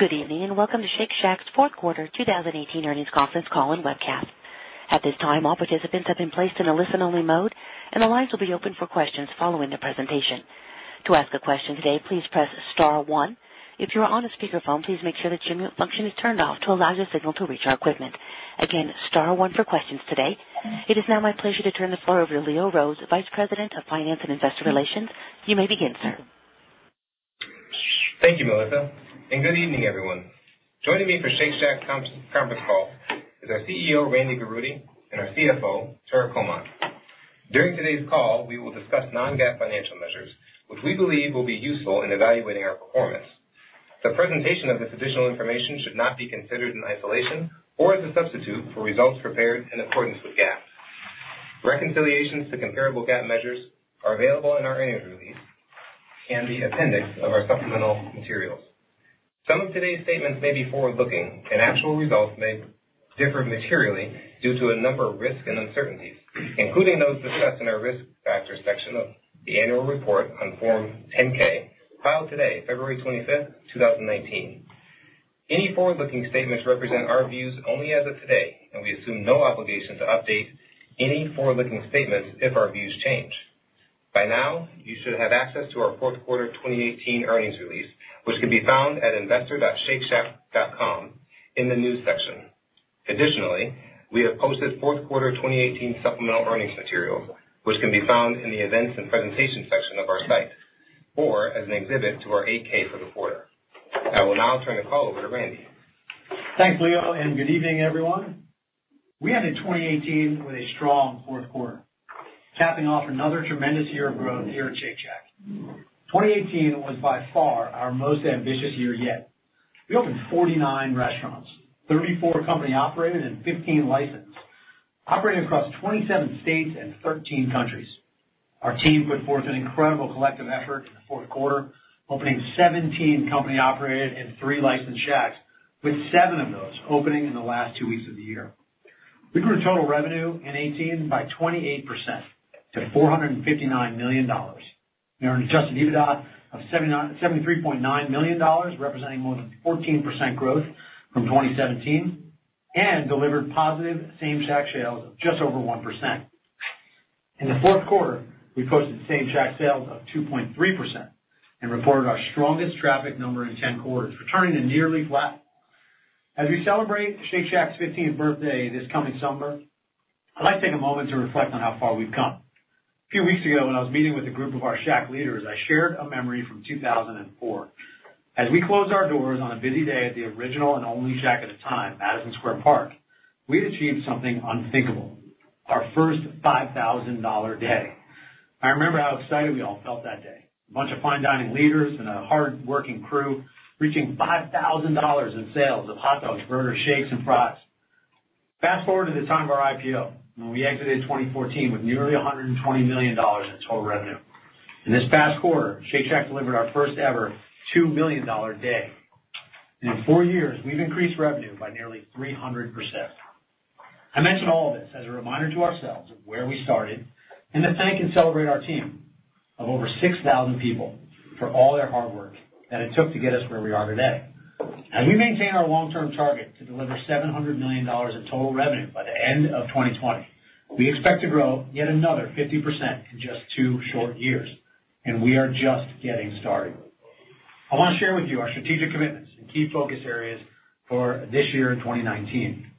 Good evening, welcome to Shake Shack's fourth quarter 2018 earnings conference call and webcast. At this time, all participants have been placed in a listen-only mode, and the lines will be open for questions following the presentation. To ask a question today, please press star one. If you are on a speakerphone, please make sure the mute function is turned off to allow the signal to reach our equipment. Again, star one for questions today. It is now my pleasure to turn the floor over to Leo Rhodes, Vice President of Finance and Investor Relations. You may begin, sir. Thank you, Melissa, good evening, everyone. Joining me for Shake Shack's conference call is our CEO, Randy Garutti, and our CFO, Tara Comonte. During today's call, we will discuss non-GAAP financial measures, which we believe will be useful in evaluating our performance. The presentation of this additional information should not be considered in isolation or as a substitute for results prepared in accordance with GAAP. Reconciliations to comparable GAAP measures are available in our earnings release and the appendix of our supplemental materials. Some of today's statements may be forward-looking, actual results may differ materially due to a number of risks and uncertainties, including those discussed in our risk factors section of the annual report on Form 10-K filed today, February 25th, 2019. Any forward-looking statements represent our views only as of today, we assume no obligation to update any forward-looking statements if our views change. By now, you should have access to our fourth quarter 2018 earnings release, which can be found at investor.shakeshack.com in the news section. Additionally, we have posted fourth quarter 2018 supplemental earnings materials, which can be found in the events and presentations section of our site, or as an exhibit to our 8-K for the quarter. I will now turn the call over to Randy. Thanks, Leo, good evening, everyone. We ended 2018 with a strong fourth quarter, capping off another tremendous year of growth here at Shake Shack. 2018 was by far our most ambitious year yet. We opened 49 restaurants, 34 company-operated, and 15 licensed, operating across 27 states and 13 countries. Our team put forth an incredible collective effort in the fourth quarter, opening 17 company-operated and three licensed Shacks, with seven of those opening in the last two weeks of the year. We grew total revenue in 2018 by 28% to $459 million. We earned adjusted EBITDA of $73.9 million, representing more than 14% growth from 2017, delivered positive same Shack sales of just over 1%. In the fourth quarter, we posted same Shack sales of 2.3% and reported our strongest traffic number in 10 quarters, returning to nearly flat. As we celebrate Shake Shack's 15th birthday this coming summer, I'd like to take a moment to reflect on how far we've come. A few weeks ago, when I was meeting with a group of our Shack leaders, I shared a memory from 2004. As we closed our doors on a busy day at the original and only Shack at the time, Madison Square Park, we'd achieved something unthinkable, our first $5,000 day. I remember how excited we all felt that day. A bunch of fine dining leaders and a hardworking crew reaching $5,000 in sales of hot dogs, burgers, shakes, and fries. Fast-forward to the time of our IPO, when we exited 2014 with nearly $120 million in total revenue. In this past quarter, Shake Shack delivered our first ever $2 million day. In four years, we've increased revenue by nearly 300%. I mention all of this as a reminder to ourselves of where we started and to thank and celebrate our team of over 6,000 people for all their hard work that it took to get us where we are today. As we maintain our long-term target to deliver $700 million in total revenue by the end of 2020, we expect to grow yet another 50% in just two short years. We are just getting started. I want to share with you our strategic commitments and key focus areas for this year in 2019.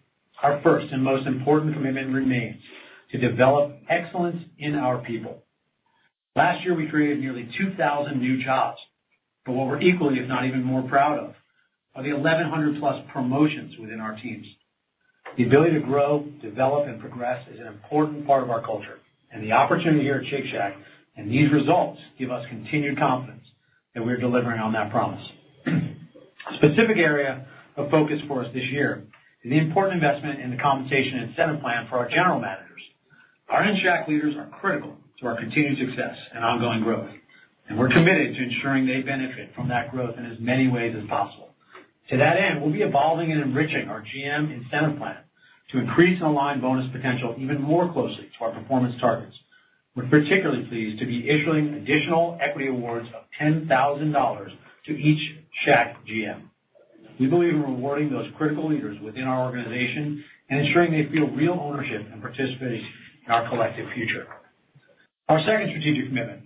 Our first and most important commitment remains to develop excellence in our people. Last year, we created nearly 2,000 new jobs. What we're equally, if not even more proud of, are the 1,100 plus promotions within our teams. The ability to grow, develop, and progress is an important part of our culture. The opportunity here at Shake Shack and these results give us continued confidence that we're delivering on that promise. A specific area of focus for us this year is the important investment in the compensation incentive plan for our general managers. Our in-Shack leaders are critical to our continued success and ongoing growth. We're committed to ensuring they benefit from that growth in as many ways as possible. To that end, we'll be evolving and enriching our GM incentive plan to increase and align bonus potential even more closely to our performance targets. We're particularly pleased to be issuing additional equity awards of $10,000 to each Shack GM. We believe in rewarding those critical leaders within our organization and ensuring they feel real ownership and participation in our collective future. Our second strategic commitment,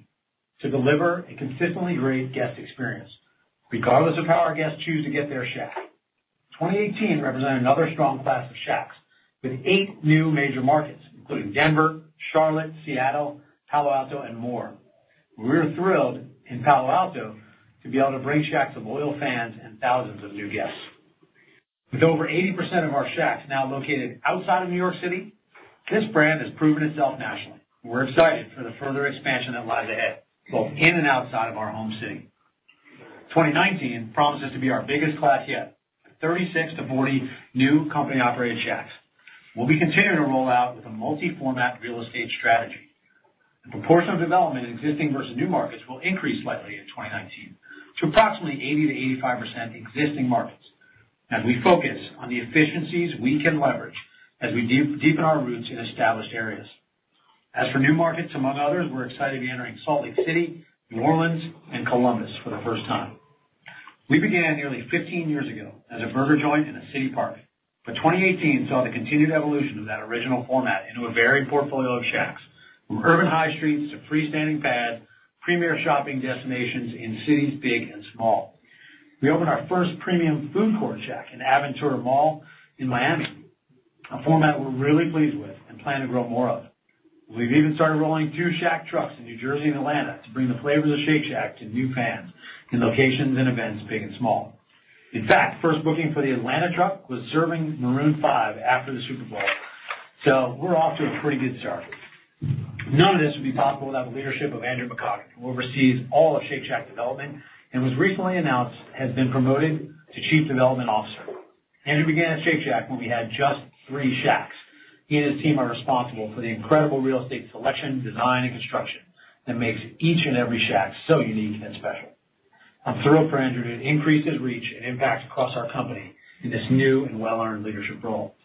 to deliver a consistently great guest experience regardless of how our guests choose to get their Shack. 2018 represented another strong class of Shacks with eight new major markets, including Denver, Charlotte, Seattle, Palo Alto, and more. We're thrilled in Palo Alto to be able to bring Shacks to loyal fans and thousands of new guests. With over 80% of our Shacks now located outside of New York City, this brand has proven itself nationally. We're excited for the further expansion that lies ahead, both in and outside of our home city. 2019 promises to be our biggest class yet, with 36 to 40 new company-operated Shacks. We'll be continuing to roll out with a multi-format real estate strategy. The proportion of development in existing versus new markets will increase slightly in 2019 to approximately 80%-85% existing markets as we focus on the efficiencies we can leverage as we deepen our roots in established areas. As for new markets, among others, we're excited to be entering Salt Lake City, New Orleans, and Columbus for the first time. We began nearly 15 years ago as a burger joint in a city park, 2018 saw the continued evolution of that original format into a varied portfolio of Shacks, from urban high streets to freestanding pads, premier shopping destinations in cities big and small. We opened our first premium food court Shack in Aventura Mall in Miami, a format we're really pleased with and plan to grow more of. We've even started rolling two Shack trucks in New Jersey and Atlanta to bring the flavors of Shake Shack to new fans in locations and events big and small. In fact, first booking for the Atlanta truck was serving Maroon 5 after the Super Bowl. We're off to a pretty good start. None of this would be possible without the leadership of Andrew McCaughan, who oversees all of Shake Shack development, and was recently announced has been promoted to Chief Development Officer. Andrew began at Shake Shack when we had just three Shacks. He and his team are responsible for the incredible real estate selection, design, and construction that makes each and every Shack so unique and special. I'm thrilled for Andrew to increase his reach and impact across our company in this new and well-earned leadership role.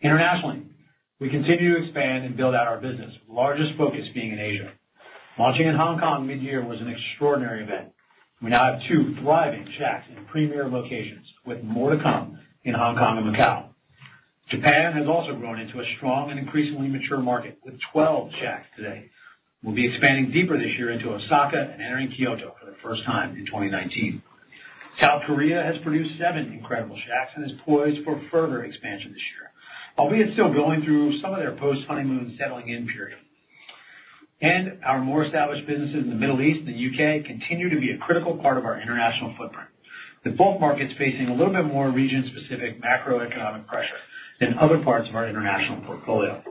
Internationally, we continue to expand and build out our business, largest focus being in Asia. Launching in Hong Kong mid-year was an extraordinary event. We now have two thriving Shacks in premier locations, with more to come in Hong Kong and Macau. Japan has also grown into a strong and increasingly mature market with 12 Shacks today. We'll be expanding deeper this year into Osaka and entering Kyoto for the first time in 2019. South Korea has produced seven incredible Shacks and is poised for further expansion this year, albeit still going through some of their post-honeymoon settling-in period. Our more established businesses in the Middle East and the U.K. continue to be a critical part of our international footprint, with both markets facing a little bit more region-specific macroeconomic pressure than other parts of our international portfolio.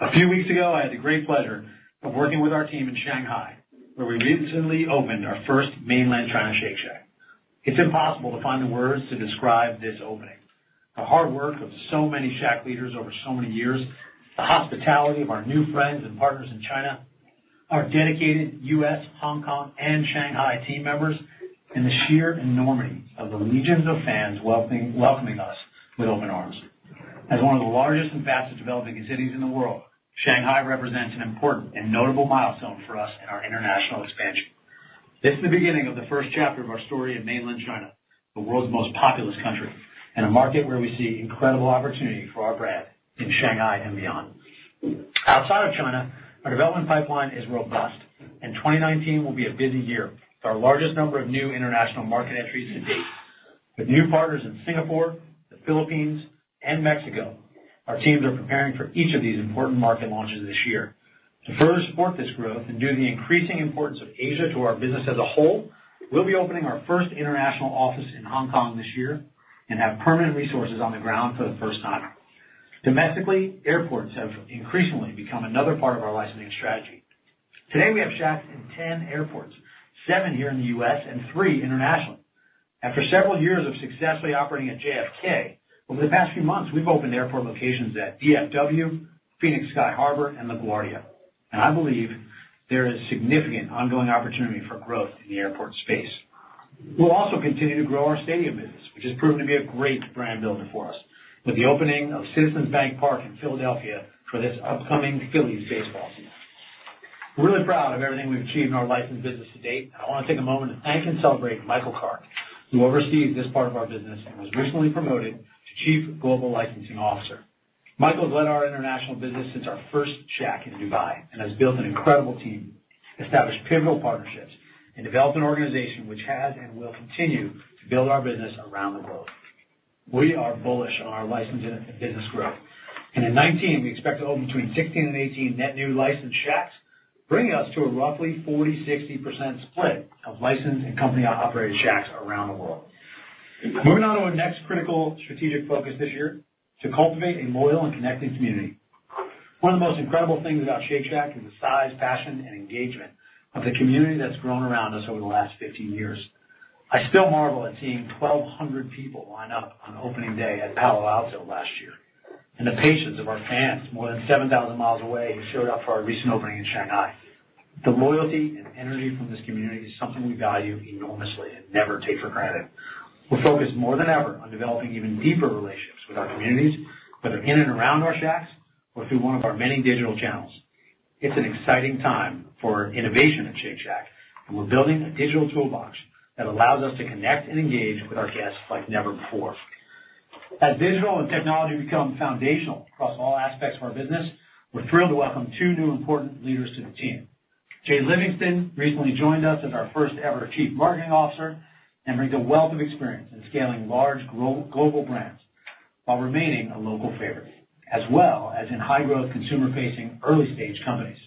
A few weeks ago, I had the great pleasure of working with our team in Shanghai, where we recently opened our first mainland China Shake Shack. It's impossible to find the words to describe this opening. The hard work of so many Shack leaders over so many years, the hospitality of our new friends and partners in China, our dedicated U.S., Hong Kong, and Shanghai team members, and the sheer enormity of the legions of fans welcoming us with open arms. As one of the largest and fastest developing cities in the world, Shanghai represents an important and notable milestone for us in our international expansion. This is the beginning of the first chapter of our story in mainland China, the world's most populous country, a market where we see incredible opportunity for our brand in Shanghai and beyond. Outside of China, our development pipeline is robust, 2019 will be a busy year with our largest number of new international market entries to date. With new partners in Singapore, the Philippines, and Mexico, our teams are preparing for each of these important market launches this year. To further support this growth and due to the increasing importance of Asia to our business as a whole, we'll be opening our first international office in Hong Kong this year and have permanent resources on the ground for the first time. Domestically, airports have increasingly become another part of our licensing strategy. Today, we have Shacks in 10 airports, seven here in the U.S. and three internationally. After several years of successfully operating at JFK, over the past few months, we've opened airport locations at DFW, Phoenix Sky Harbor, and LaGuardia. I believe there is significant ongoing opportunity for growth in the airport space. We'll also continue to grow our stadium business, which has proven to be a great brand builder for us, with the opening of Citizens Bank Park in Philadelphia for this upcoming Phillies baseball season. We're really proud of everything we've achieved in our licensed business to date. I want to take a moment to thank and celebrate Michael Kark, who oversees this part of our business and was recently promoted to Chief Global Licensing Officer. Michael has led our international business since our first Shack in Dubai and has built an incredible team, established pivotal partnerships, and developed an organization which has and will continue to build our business around the world. We are bullish on our licensing business growth. In 2019, we expect to open between 16 and 18 net new licensed Shacks, bringing us to a roughly 40/60% split of licensed and company-operated Shacks around the world. Moving on to our next critical strategic focus this year: to cultivate a loyal and connected community. One of the most incredible things about Shake Shack is the size, passion, and engagement of the community that's grown around us over the last 15 years. I still marvel at seeing 1,200 people line up on opening day at Palo Alto last year, the patience of our fans, more than 7,000 miles away, who showed up for our recent opening in Shanghai. The loyalty and energy from this community is something we value enormously and never take for granted. We're focused more than ever on developing even deeper relationships with our communities, whether in and around our Shacks or through one of our many digital channels. It's an exciting time for innovation at Shake Shack, and we're building a digital toolbox that allows us to connect and engage with our guests like never before. As digital and technology become foundational across all aspects of our business, we're thrilled to welcome two new important leaders to the team. Jay Livingston recently joined us as our first-ever Chief Marketing Officer and brings a wealth of experience in scaling large global brands while remaining a local favorite, as well as in high-growth consumer-facing early-stage companies.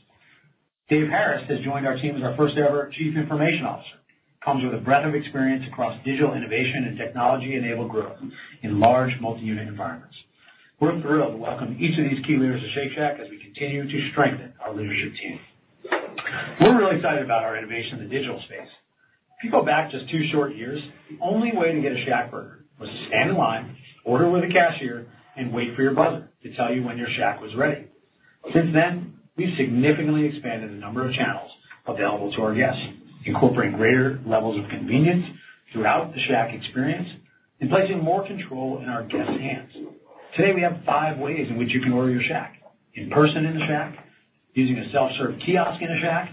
Dave Harris has joined our team as our first-ever Chief Information Officer. He comes with a breadth of experience across digital innovation and technology-enabled growth in large multi-unit environments. We're thrilled to welcome each of these key leaders to Shake Shack as we continue to strengthen our leadership team. We're really excited about our innovation in the digital space. If you go back just two short years, the only way to get a Shack burger was to stand in line, order with a cashier, and wait for your buzzer to tell you when your Shack was ready. Since then, we've significantly expanded the number of channels available to our guests, incorporating greater levels of convenience throughout the Shack experience. In placing more control in our guests' hands. Today, we have five ways in which you can order your Shack: in person in a Shack, using a self-serve kiosk in a Shack,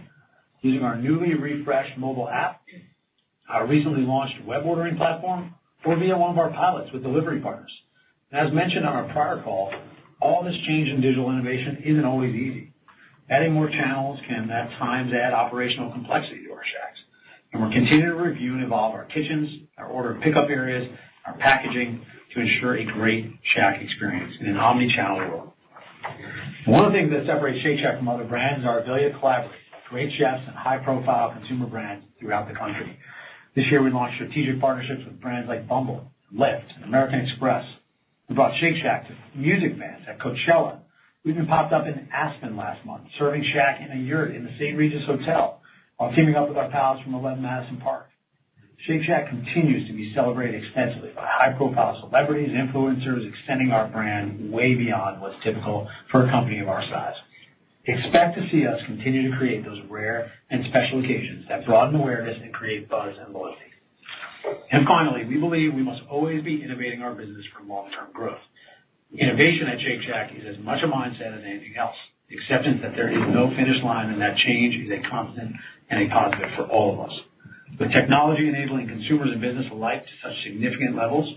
using our newly refreshed mobile app, our recently launched web ordering platform, or via one of our pilots with delivery partners. As mentioned on our prior call, all this change in digital innovation isn't always easy. Adding more channels can, at times, add operational complexity to our Shacks. We're continuing to review and evolve our kitchens, our order and pickup areas, our packaging to ensure a great Shack experience in an omnichannel world. One of the things that separates Shake Shack from other brands is our ability to collaborate with great chefs and high-profile consumer brands throughout the country. This year, we launched strategic partnerships with brands like Bumble, Lyft, and American Express. We brought Shake Shack to music fans at Coachella. We even popped up in Aspen last month, serving Shack in a yurt in the St. Regis Hotel while teaming up with our pals from Eleven Madison Park. Shake Shack continues to be celebrated extensively by high-profile celebrities, influencers, extending our brand way beyond what's typical for a company of our size. Expect to see us continue to create those rare and special occasions that broaden awareness and create buzz and loyalty. Finally, we believe we must always be innovating our business for long-term growth. Innovation at Shake Shack is as much a mindset as anything else. The acceptance that there is no finish line and that change is a constant and a positive for all of us. With technology enabling consumers and business alike to such significant levels,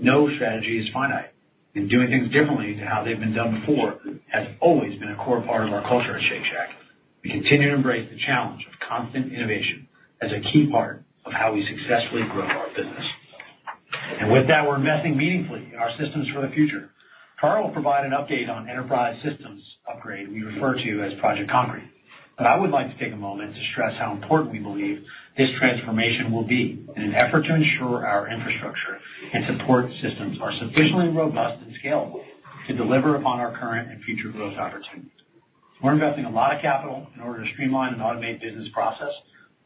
no strategy is finite, and doing things differently to how they've been done before has always been a core part of our culture at Shake Shack. We continue to embrace the challenge of constant innovation as a key part of how we successfully grow our business. With that, we're investing meaningfully in our systems for the future. Tara will provide an update on enterprise systems upgrade we refer to as Project Concrete, but I would like to take a moment to stress how important we believe this transformation will be in an effort to ensure our infrastructure and support systems are sufficiently robust and scalable to deliver upon our current and future growth opportunities. We're investing a lot of capital in order to streamline and automate business process,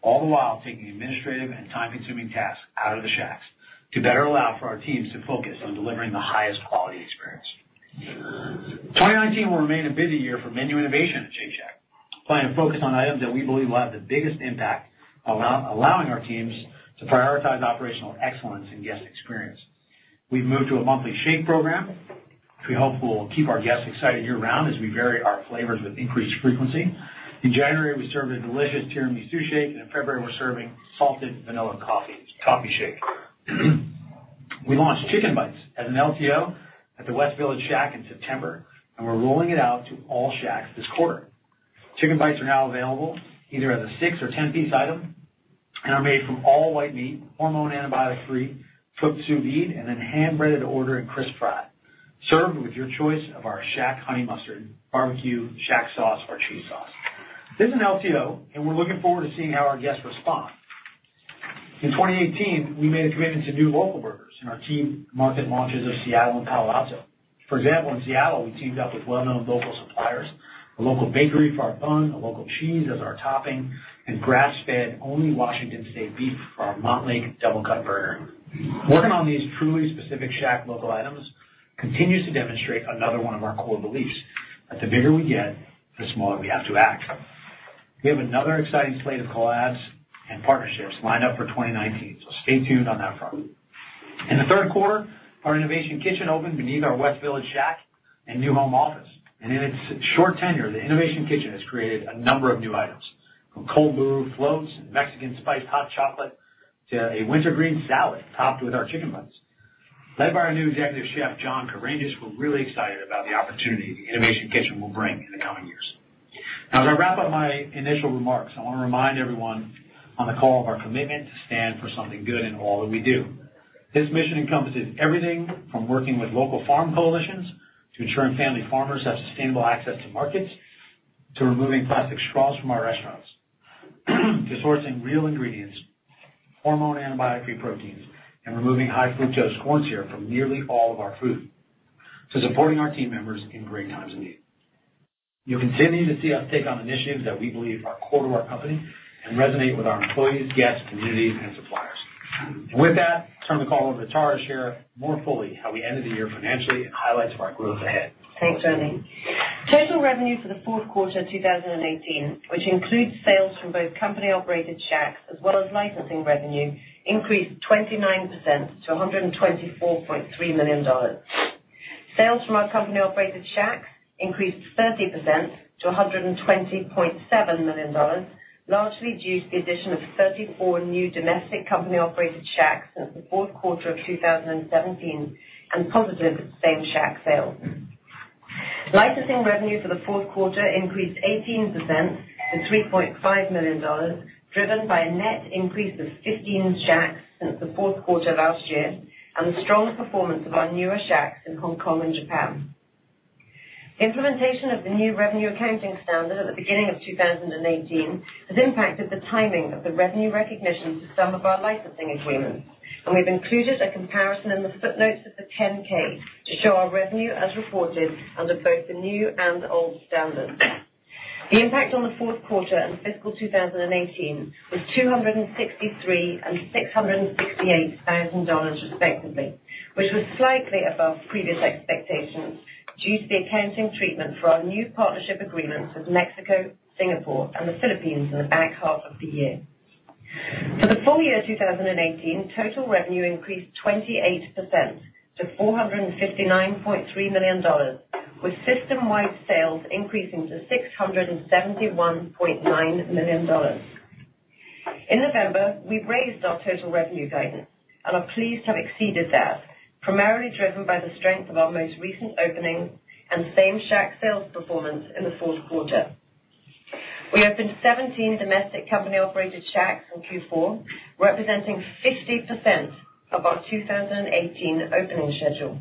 all the while taking administrative and time-consuming tasks out of the Shacks to better allow for our teams to focus on delivering the highest quality experience. 2019 will remain a busy year for menu innovation at Shake Shack. Planning to focus on items that we believe will have the biggest impact, allowing our teams to prioritize operational excellence and guest experience. We've moved to a monthly Shake program, which we hope will keep our guests excited year-round as we vary our flavors with increased frequency. In January, we served a delicious tiramisu Shake, and in February, we're serving salted vanilla coffee Shake. We launched Chick'n Bites as an LTO at the West Village Shack in September, and we're rolling it out to all Shacks this quarter. Chick'n Bites are now available either as a six or 10-piece item and are made from all white meat, hormone and antibiotic-free, cooked sous-vide, and then hand-breaded to order and crisp-fried, served with your choice of our Shack honey mustard, barbecue, Shack sauce, or cheese sauce. This is an LTO, and we're looking forward to seeing how our guests respond. In 2018, we made a commitment to do local burgers in our key market launches of Seattle and Palo Alto. For example, in Seattle, we teamed up with well-known local suppliers, a local bakery for our bun, a local cheese as our topping, and grass-fed only Washington state beef for our Montlake Double Cut burger. Working on these truly specific Shack local items continues to demonstrate another one of our core beliefs, that the bigger we get, the smaller we have to act. We have another exciting slate of collabs and partnerships lined up for 2019, so stay tuned on that front. In the third quarter, our Innovation Kitchen opened beneath our West Village Shack and new home office. In its short tenure, the Innovation Kitchen has created a number of new items from cold brew floats and Mexican spiced hot chocolate to a winter green salad topped with our Chick'n Bites. Led by our new Executive Chef, John Karangis, we're really excited about the opportunity the Innovation Kitchen will bring in the coming years. Now, as I wrap up my initial remarks, I want to remind everyone on the call of our commitment to stand for something good in all that we do. This mission encompasses everything from working with local farm coalitions to ensuring family farmers have sustainable access to markets, to removing plastic straws from our restaurants, to sourcing real ingredients, hormone and antibiotic-free proteins, and removing high-fructose corn syrup from nearly all of our food, to supporting our team members in times of need. You'll continue to see us take on initiatives that we believe are core to our company and resonate with our employees, guests, communities, and suppliers. With that, I turn the call over to Tara to share more fully how we ended the year financially and highlights of our growth ahead. Thanks, Randy. Total revenue for the fourth quarter 2018, which includes sales from both company-operated Shacks as well as licensing revenue, increased 29% to $124.3 million. Sales from our company-operated Shacks increased 30% to $120.7 million, largely due to the addition of 34 new domestic company-operated Shacks since the fourth quarter of 2017 and positive same Shack sales. Licensing revenue for the fourth quarter increased 18% to $3.5 million, driven by a net increase of 15 Shacks since the fourth quarter of last year and the strong performance of our newer Shacks in Hong Kong and Japan. Implementation of the new revenue accounting standard at the beginning of 2018 has impacted the timing of the revenue recognition to some of our licensing agreements, and we've included a comparison in the footnotes of the 10-K to show our revenue as reported under both the new and old standards. The impact on the fourth quarter and fiscal 2018 was $263,000 and $668,000 respectively. Which was slightly above previous expectations due to the accounting treatment for our new partnership agreements with Mexico, Singapore, and the Philippines in the back half of the year. For the full year 2018, total revenue increased 28% to $459.3 million, with system-wide sales increasing to $671.9 million. In November, we raised our total revenue guidance and are pleased to have exceeded that, primarily driven by the strength of our most recent opening and same Shack sales performance in the fourth quarter. We opened 17 domestic company-operated Shacks in Q4, representing 50% of our 2018 opening schedule.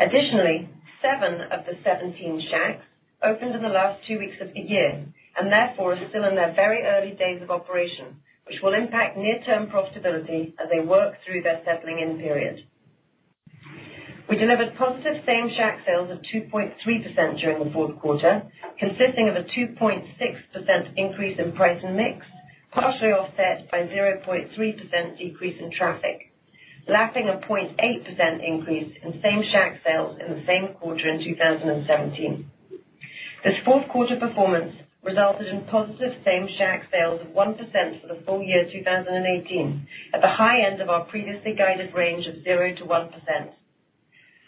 Additionally, seven of the 17 Shacks opened in the last two weeks of the year, and therefore are still in their very early days of operation, which will impact near-term profitability as they work through their settling-in period. We delivered positive same Shack sales of 2.3% during the fourth quarter, consisting of a 2.6% increase in price and mix, partially offset by 0.3% decrease in traffic, lapping a 0.8% increase in same Shack sales in the same quarter in 2017. This fourth quarter performance resulted in positive same Shack sales of 1% for the full year 2018, at the high end of our previously guided range of 0%-1%.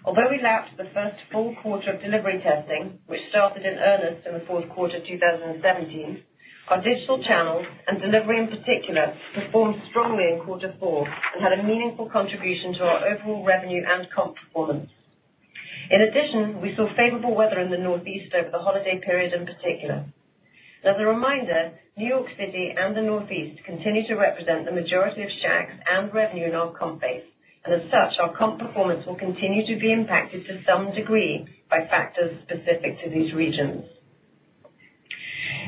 Although we lapped the first full quarter of delivery testing, which started in earnest in the fourth quarter of 2017, our digital channels and delivery in particular, performed strongly in quarter four and had a meaningful contribution to our overall revenue and comp performance. In addition, we saw favorable weather in the Northeast over the holiday period in particular. As a reminder, New York City and the Northeast continue to represent the majority of Shacks and revenue in our comp base, and as such, our comp performance will continue to be impacted to some degree by factors specific to these regions.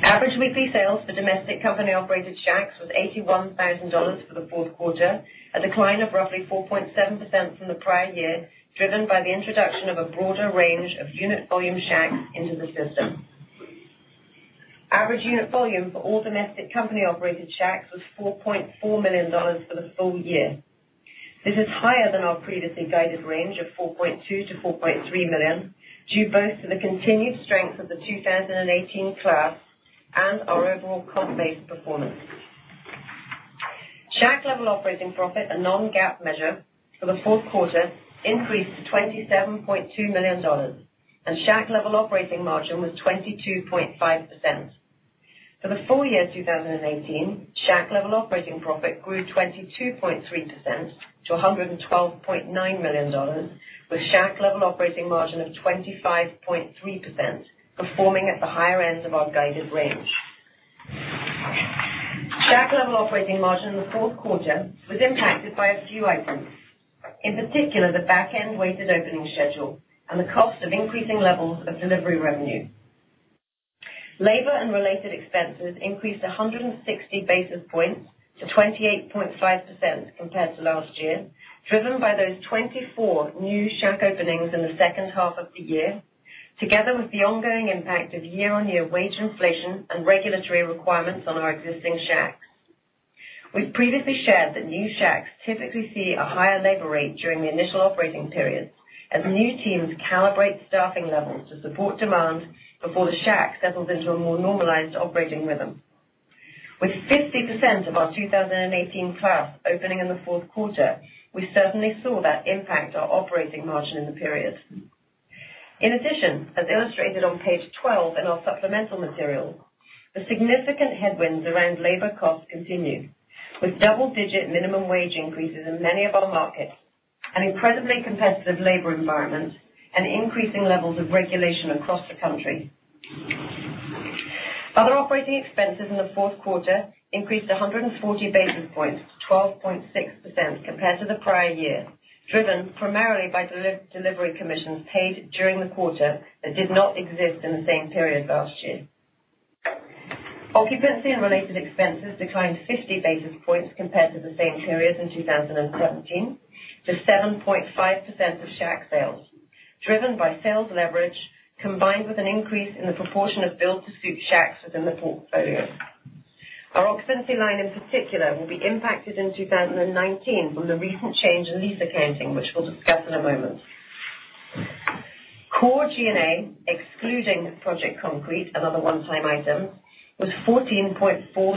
Average weekly sales for domestic company-operated Shacks was $81,000 for the fourth quarter, a decline of roughly 4.7% from the prior year, driven by the introduction of a broader range of unit volume Shacks into the system. Average unit volume for all domestic company-operated Shacks was $4.4 million for the full year. This is higher than our previously guided range of $4.2 million-$4.3 million, due both to the continued strength of the 2018 class and our overall comp-based performance. Shack-level operating profit, a non-GAAP measure, for the fourth quarter increased to $27.2 million, and Shack-level operating margin was 22.5%. For the full year 2018, Shack-level operating profit grew 22.3% to $112.9 million, with Shack-level operating margin of 25.3%, performing at the higher end of our guided range. Shack-level operating margin in the fourth quarter was impacted by a few items, in particular, the back-end-weighted opening schedule and the cost of increasing levels of delivery revenue. Labor and related expenses increased 160 basis points to 28.5% compared to last year, driven by those 24 new Shack openings in the second half of the year, together with the ongoing impact of year-on-year wage inflation and regulatory requirements on our existing Shacks. We've previously shared that new Shacks typically see a higher labor rate during the initial operating period, as new teams calibrate staffing levels to support demand before the Shack settles into a more normalized operating rhythm. With 50% of our 2018 class opening in the fourth quarter, we certainly saw that impact our operating margin in the period. In addition, as illustrated on page 12 in our supplemental material, the significant headwinds around labor costs continue, with double-digit minimum wage increases in many of our markets, an incredibly competitive labor environment, and increasing levels of regulation across the country. Other operating expenses in the fourth quarter increased 140 basis points to 12.6% compared to the prior year, driven primarily by delivery commissions paid during the quarter that did not exist in the same period last year. Occupancy and related expenses declined 50 basis points compared to the same period in 2017 to 7.5% of Shack sales, driven by sales leverage, combined with an increase in the proportion of build-to-suit Shacks within the portfolio. Our occupancy line in particular will be impacted in 2019 from the recent change in lease accounting, which we'll discuss in a moment. Core G&A, excluding Project Concrete, another one-time item, was $14.4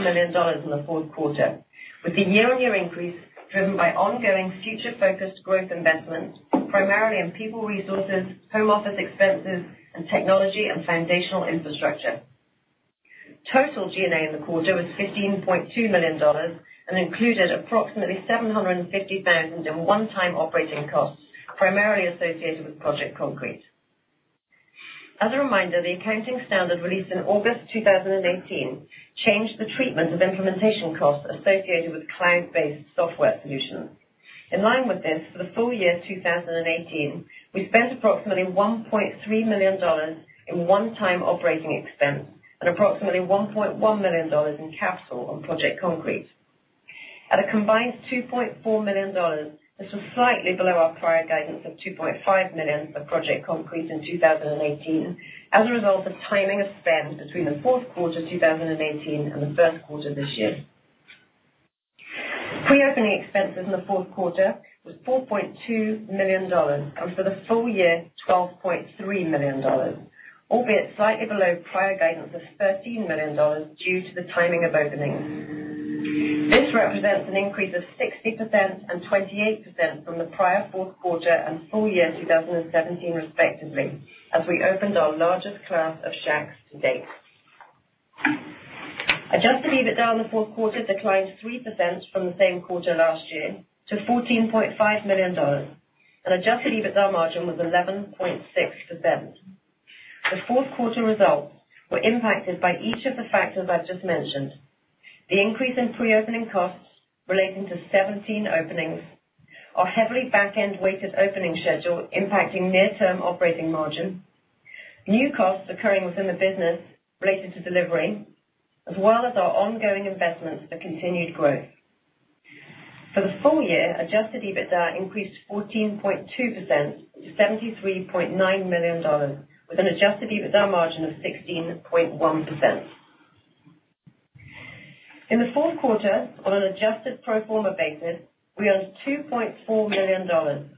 million in the fourth quarter, with the year-on-year increase driven by ongoing future-focused growth investments, primarily in people resources, home office expenses, and technology and foundational infrastructure. Total G&A in the quarter was $15.2 million and included approximately $750,000 in one-time operating costs, primarily associated with Project Concrete. As a reminder, the accounting standard released in August 2018 changed the treatment of implementation costs associated with cloud-based software solutions. In line with this, for the full year 2018, we spent approximately $1.3 million in one-time operating expense and approximately $1.1 million in capital on Project Concrete. At a combined $2.4 million, this was slightly below our prior guidance of $2.5 million for Project Concrete in 2018 as a result of timing of spend between the fourth quarter 2018 and the first quarter this year. Pre-opening expenses in the fourth quarter was $4.2 million. For the full year, $12.3 million, albeit slightly below prior guidance of $13 million due to the timing of openings. This represents an increase of 60% and 28% from the prior fourth quarter and full year 2017 respectively, as we opened our largest class of Shacks to date. Adjusted EBITDA in the fourth quarter declined 3% from the same quarter last year to $14.5 million, and adjusted EBITDA margin was 11.6%. The fourth quarter results were impacted by each of the factors I've just mentioned. The increase in pre-opening costs relating to 17 openings are heavily back-end-weighted opening schedule impacting near-term operating margin, new costs occurring within the business related to delivery, as well as our ongoing investments for continued growth. For the full year, adjusted EBITDA increased 14.2% to $73.9 million, with an adjusted EBITDA margin of 16.1%. In the fourth quarter, on an adjusted pro forma basis, we earned $2.4 million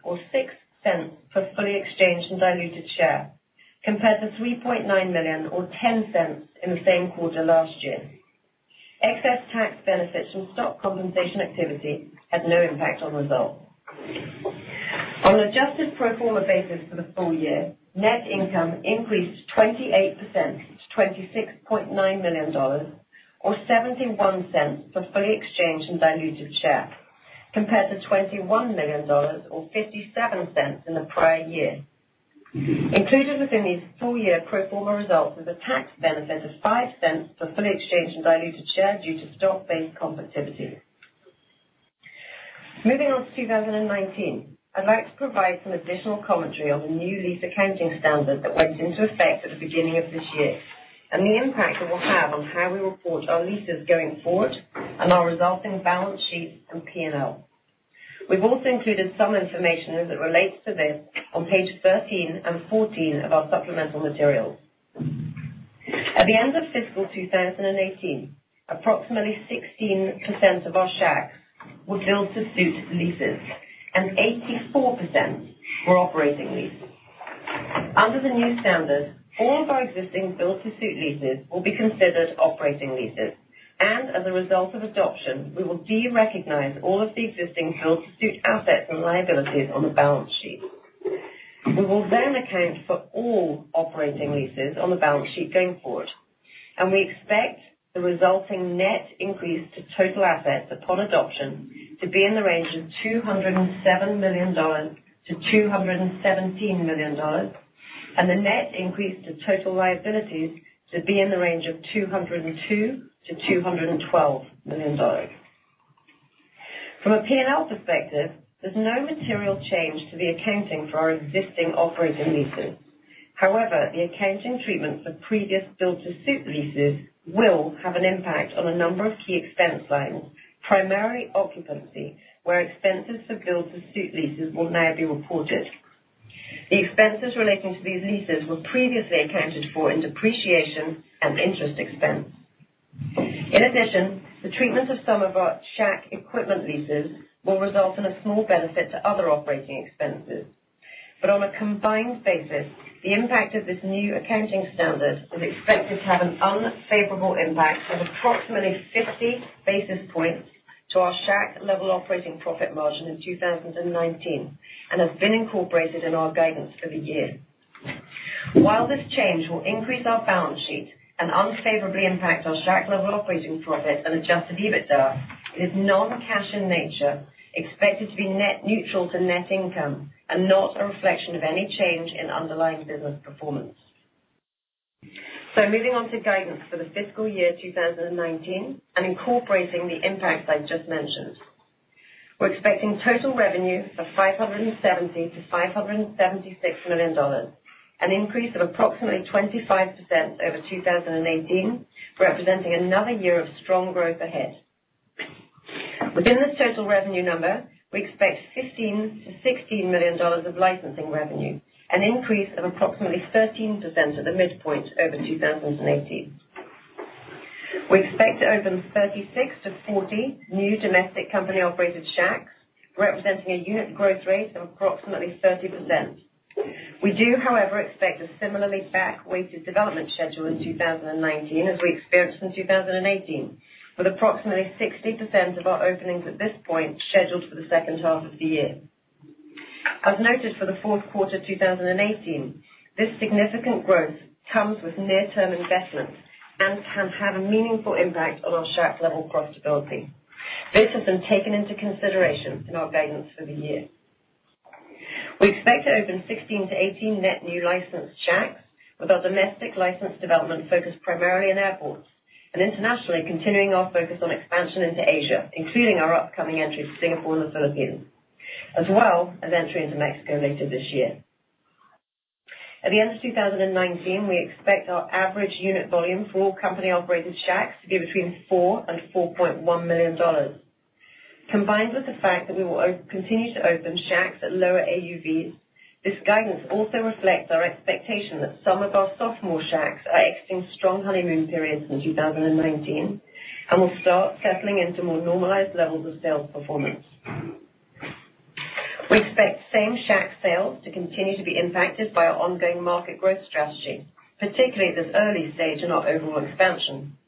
or $0.06 per fully exchanged and diluted share, compared to $3.9 million or $0.10 in the same quarter last year. Excess tax benefits from stock compensation activity had no impact on results. On an adjusted pro forma basis for the full year, net income increased 28% to $26.9 million or $0.71 per fully exchanged and diluted share, compared to $21 million or $0.57 in the prior year. Included within these full-year pro forma results is a tax benefit of $0.05 per fully exchanged and diluted share due to stock-based compensation. I'd like to provide some additional commentary on the new lease accounting standard that went into effect at the beginning of this year and the impact it will have on how we report our leases going forward and our resulting balance sheets and P&L. We've also included some information as it relates to this on page 13 and 14 of our supplemental materials. At the end of fiscal 2018, approximately 16% of our Shacks were built to suit leases and 84% were operating leases. Under the new standard, all of our existing built-to-suit leases will be considered operating leases, and as a result of adoption, we will de-recognize all of the existing built-to-suit assets and liabilities on the balance sheet. We will account for all operating leases on the balance sheet going forward, and we expect the resulting net increase to total assets upon adoption to be in the range of $207 million-$217 million, and the net increase to total liabilities to be in the range of $202 million-$212 million. From a P&L perspective, there's no material change to the accounting for our existing operating leases. However, the accounting treatment for previous built-to-suit leases will have an impact on a number of key expense lines, primarily occupancy, where expenses for built-to-suit leases will now be reported. The expenses relating to these leases were previously accounted for in depreciation and interest expense. In addition, the treatment of some of our Shack equipment leases will result in a small benefit to other operating expenses. On a combined basis, the impact of this new accounting standard is expected to have an unfavorable impact of approximately 50 basis points to our Shack-level operating profit margin in 2019 and has been incorporated in our guidance for the year. While this change will increase our balance sheet and unfavorably impact our Shack-level operating profit and adjusted EBITDA, it is non-cash in nature, expected to be net neutral to net income, and not a reflection of any change in underlying business performance. Moving on to guidance for the fiscal year 2019 and incorporating the impacts I just mentioned. We're expecting total revenue of $570 million-$576 million, an increase of approximately 25% over 2018, representing another year of strong growth ahead. Within this total revenue number, we expect $15 million-$16 million of licensing revenue, an increase of approximately 13% at the midpoint over 2018. We expect to open 36 to 40 new domestic company-operated Shacks, representing a unit growth rate of approximately 30%. We do, however, expect a similarly back-weighted development schedule in 2019 as we experienced in 2018, with approximately 60% of our openings at this point scheduled for the second half of the year. As noted for the fourth quarter 2018, this significant growth comes with near-term investments and can have a meaningful impact on our Shack-level profitability. This has been taken into consideration in our guidance for the year. We expect to open 16 to 18 net new licensed Shacks, with our domestic license development focused primarily in airports, and internationally continuing our focus on expansion into Asia, including our upcoming entries to Singapore and the Philippines, as well as entry into Mexico later this year. At the end of 2019, we expect our average unit volume for all company-operated Shacks to be between $4 million and $4.1 million. Combined with the fact that we will continue to open Shacks at lower AUVs, this guidance also reflects our expectation that some of our sophomore Shacks are exiting strong honeymoon periods in 2019 and will start settling into more normalized levels of sales performance. We expect same Shack sales to continue to be impacted by our ongoing market growth strategy, particularly at this early stage in our overall expansion.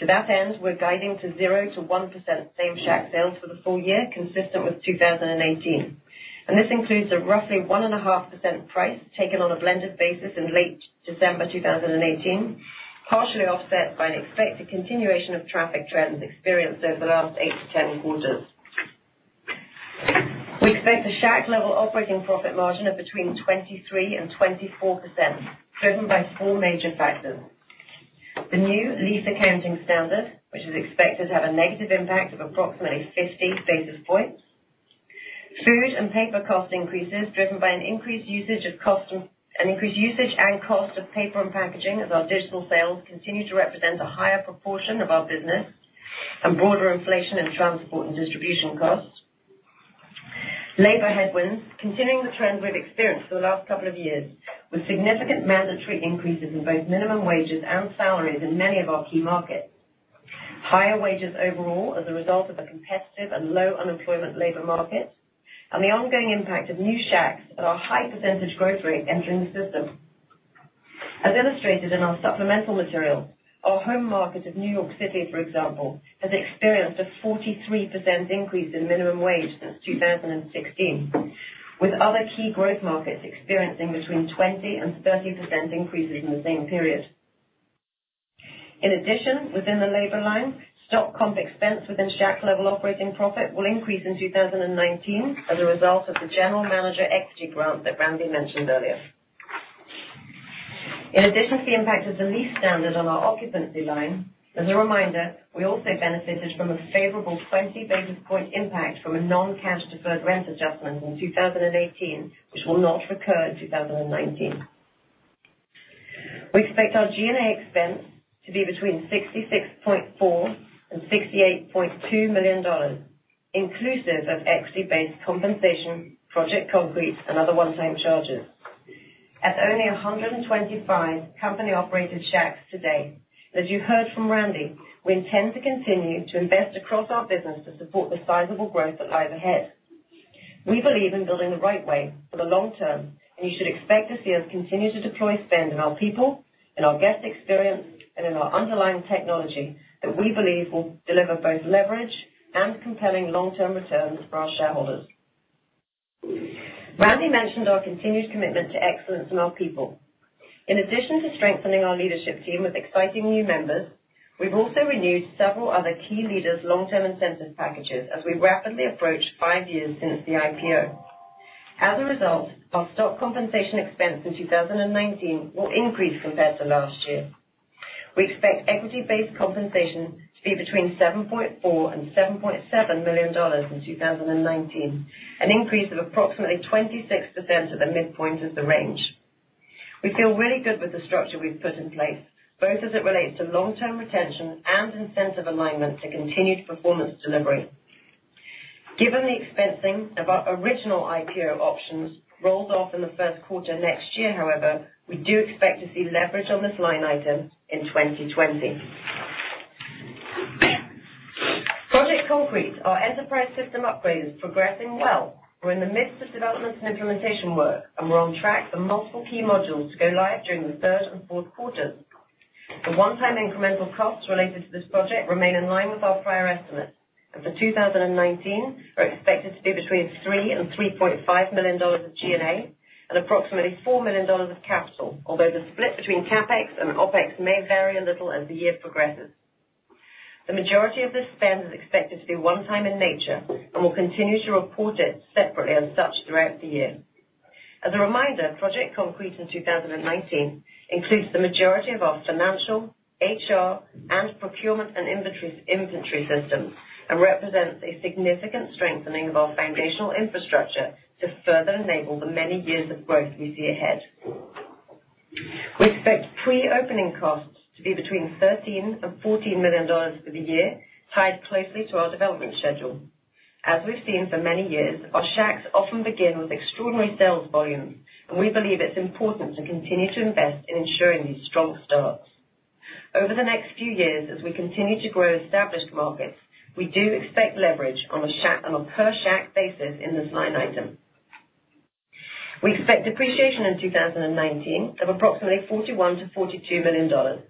To that end, we're guiding to 0% to 1% same Shack sales for the full year, consistent with 2018. This includes a roughly one and a half percent price taken on a blended basis in late December 2018, partially offset by an expected continuation of traffic trends experienced over the last eight to 10 quarters. We expect a Shack-level operating profit margin of between 23% and 24%, driven by four major factors. The new lease accounting standard, which is expected to have a negative impact of approximately 50 basis points. Food and paper cost increases driven by an increased usage and cost of paper and packaging as our digital sales continue to represent a higher proportion of our business, and broader inflation in transport and distribution costs. Labor headwinds, continuing the trend we've experienced for the last couple of years, with significant mandatory increases in both minimum wages and salaries in many of our key markets. Higher wages overall as a result of a competitive and low unemployment labor market, and the ongoing impact of new Shacks at our high percentage growth rate entering the system. As illustrated in our supplemental material, our home market of New York City, for example, has experienced a 43% increase in minimum wage since 2016. With other key growth markets experiencing between 20% and 30% increases in the same period. In addition, within the labor line, stock comp expense within Shack-level operating profit will increase in 2019 as a result of the general manager equity grant that Randy mentioned earlier. In addition to the impact of the lease standard on our occupancy line, as a reminder, we also benefited from a favorable 50 basis point impact from a non-cash deferred rent adjustment in 2018, which will not recur in 2019. We expect our G&A expense to be between $66.4 million and $68.2 million, inclusive of equity-based compensation, Project Concrete, and other one-time charges. At only 125 company-operated Shacks to date, as you heard from Randy, we intend to continue to invest across our business to support the sizable growth that lies ahead. We believe in building the right way for the long term, and you should expect to see us continue to deploy spend in our people, in our guest experience, and in our underlying technology that we believe will deliver both leverage and compelling long-term returns for our shareholders. Randy mentioned our continued commitment to excellence in our people. In addition to strengthening our leadership team with exciting new members, we've also renewed several other key leaders' long-term incentive packages as we rapidly approach five years since the IPO. As a result, our stock compensation expense in 2019 will increase compared to last year. We expect equity-based compensation to be between $7.4 million-$7.7 million in 2019, an increase of approximately 26% at the midpoint of the range. We feel really good with the structure we've put in place, both as it relates to long-term retention and incentive alignment to continued performance delivery. Given the expensing of our original IPO options rolled off in the first quarter next year, however, we do expect to see leverage on this line item in 2020. Project Concrete, our enterprise system upgrade, is progressing well. We're in the midst of development and implementation work, and we're on track for multiple key modules to go live during the third and fourth quarters. The one-time incremental costs related to this project remain in line with our prior estimates, and for 2019, are expected to be between $3 million-$3.5 million of G&A and approximately $4 million of capital. Although the split between CapEx and OpEx may vary a little as the year progresses. The majority of this spend is expected to be one time in nature and we'll continue to report it separately as such throughout the year. As a reminder, Project Concrete in 2019 includes the majority of our financial, HR, and procurement and inventory systems and represents a significant strengthening of our foundational infrastructure to further enable the many years of growth we see ahead. We expect pre-opening costs to be between $13 million-$14 million for the year, tied closely to our development schedule. As we've seen for many years, our Shacks often begin with extraordinary sales volumes, and we believe it's important to continue to invest in ensuring these strong starts. Over the next few years, as we continue to grow established markets, we do expect leverage on a per Shack basis in this line item. We expect depreciation in 2019 of approximately $41 million-$42 million.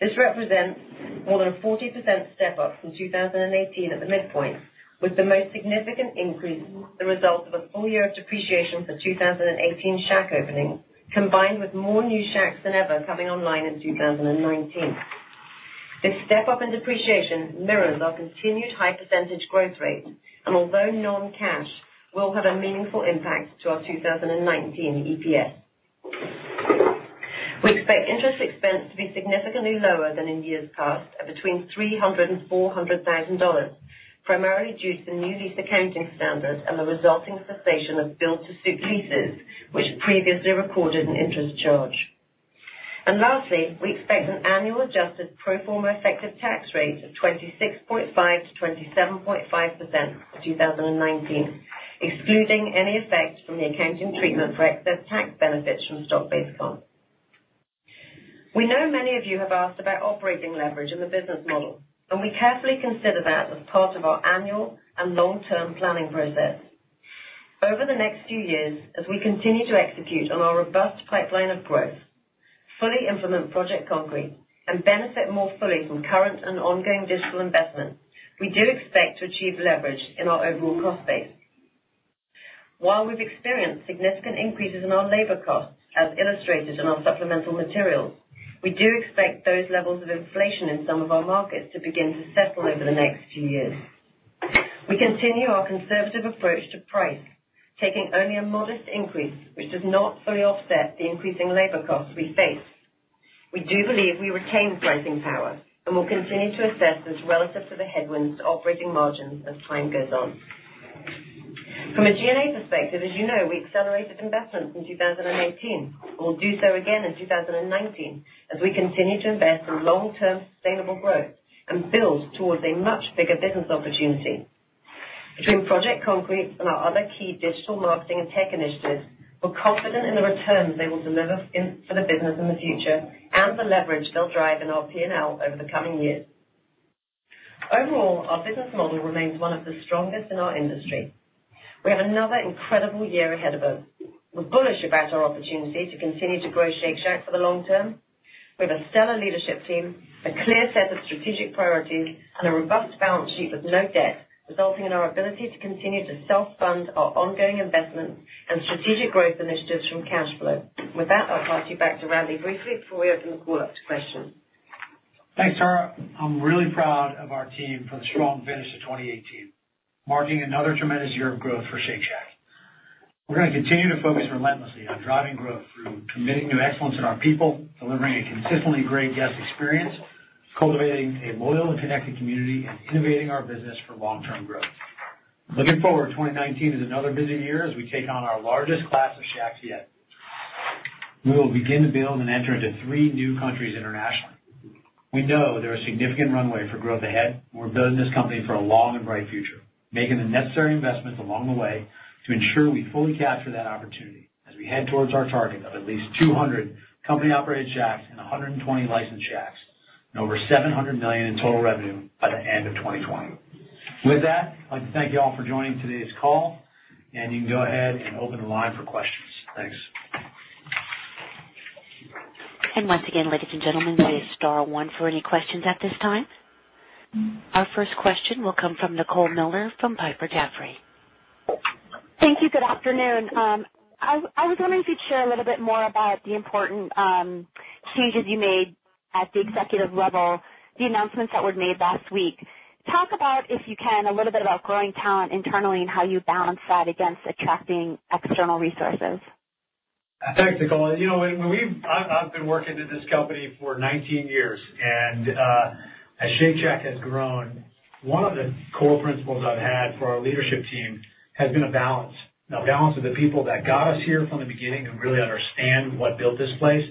This represents more than a 40% step-up from 2018 at the midpoint, with the most significant increase the result of a full year of depreciation for 2018 Shack openings, combined with more new Shacks than ever coming online in 2019. This step-up in depreciation mirrors our continued high percentage growth rate, and although non-cash will have a meaningful impact to our 2019 EPS. We expect interest expense to be significantly lower than in years past, at between $300,000 and $400,000, primarily due to the new lease accounting standards and the resulting cessation of build-to-suit leases, which previously recorded an interest charge. Lastly, we expect an annual adjusted pro forma effective tax rate of 26.5% to 27.5% for 2019, excluding any effect from the accounting treatment for excess tax benefits from stock-based comp. We know many of you have asked about operating leverage in the business model, and we carefully consider that as part of our annual and long-term planning process. Over the next few years, as we continue to execute on our robust pipeline of growth, fully implement Project Concrete, and benefit more fully from current and ongoing digital investments, we do expect to achieve leverage in our overall cost base. While we've experienced significant increases in our labor costs, as illustrated in our supplemental materials, we do expect those levels of inflation in some of our markets to begin to settle over the next few years. We continue our conservative approach to price, taking only a modest increase, which does not fully offset the increasing labor costs we face. We do believe we retain pricing power and will continue to assess this relative to the headwinds to operating margins as time goes on. From a G&A perspective, as you know, we accelerated investments in 2018, and we'll do so again in 2019 as we continue to invest in long-term sustainable growth and build towards a much bigger business opportunity. Between Project Concrete and our other key digital marketing and tech initiatives, we're confident in the returns they will deliver for the business in the future and the leverage they'll drive in our P&L over the coming years. Overall, our business model remains one of the strongest in our industry. We have another incredible year ahead of us. We're bullish about our opportunity to continue to grow Shake Shack for the long term. We have a stellar leadership team, a clear set of strategic priorities, and a robust balance sheet with no debt, resulting in our ability to continue to self-fund our ongoing investments and strategic growth initiatives from cash flow. With that, I'll pass you back to Randy briefly before we open the call up to questions. Thanks, Tara. I'm really proud of our team for the strong finish to 2018, marking another tremendous year of growth for Shake Shack. We're going to continue to focus relentlessly on driving growth through committing to excellence in our people, delivering a consistently great guest experience, cultivating a loyal and connected community, and innovating our business for long-term growth. Looking forward, 2019 is another busy year as we take on our largest class of Shacks yet. We will begin to build and enter into three new countries internationally. We know there is significant runway for growth ahead, and we're building this company for a long and bright future, making the necessary investments along the way to ensure we fully capture that opportunity as we head towards our target of at least 200 company-operated Shacks and 120 licensed Shacks, and over $700 million in total revenue by the end of 2020. With that, I'd like to thank you all for joining today's call, and you can go ahead and open the line for questions. Thanks. Once again, ladies and gentlemen, please star one for any questions at this time. Our first question will come from Nicole Miller from Piper Jaffray. Thank you. Good afternoon. I was wondering if you'd share a little bit more about the important changes you made at the executive level, the announcements that were made last week. Talk about, if you can, a little bit about growing talent internally and how you balance that against attracting external resources. Thanks, Nicole. I've been working at this company for 19 years. As Shake Shack has grown, one of the core principles I've had for our leadership team has been a balance. A balance of the people that got us here from the beginning and really understand what built this place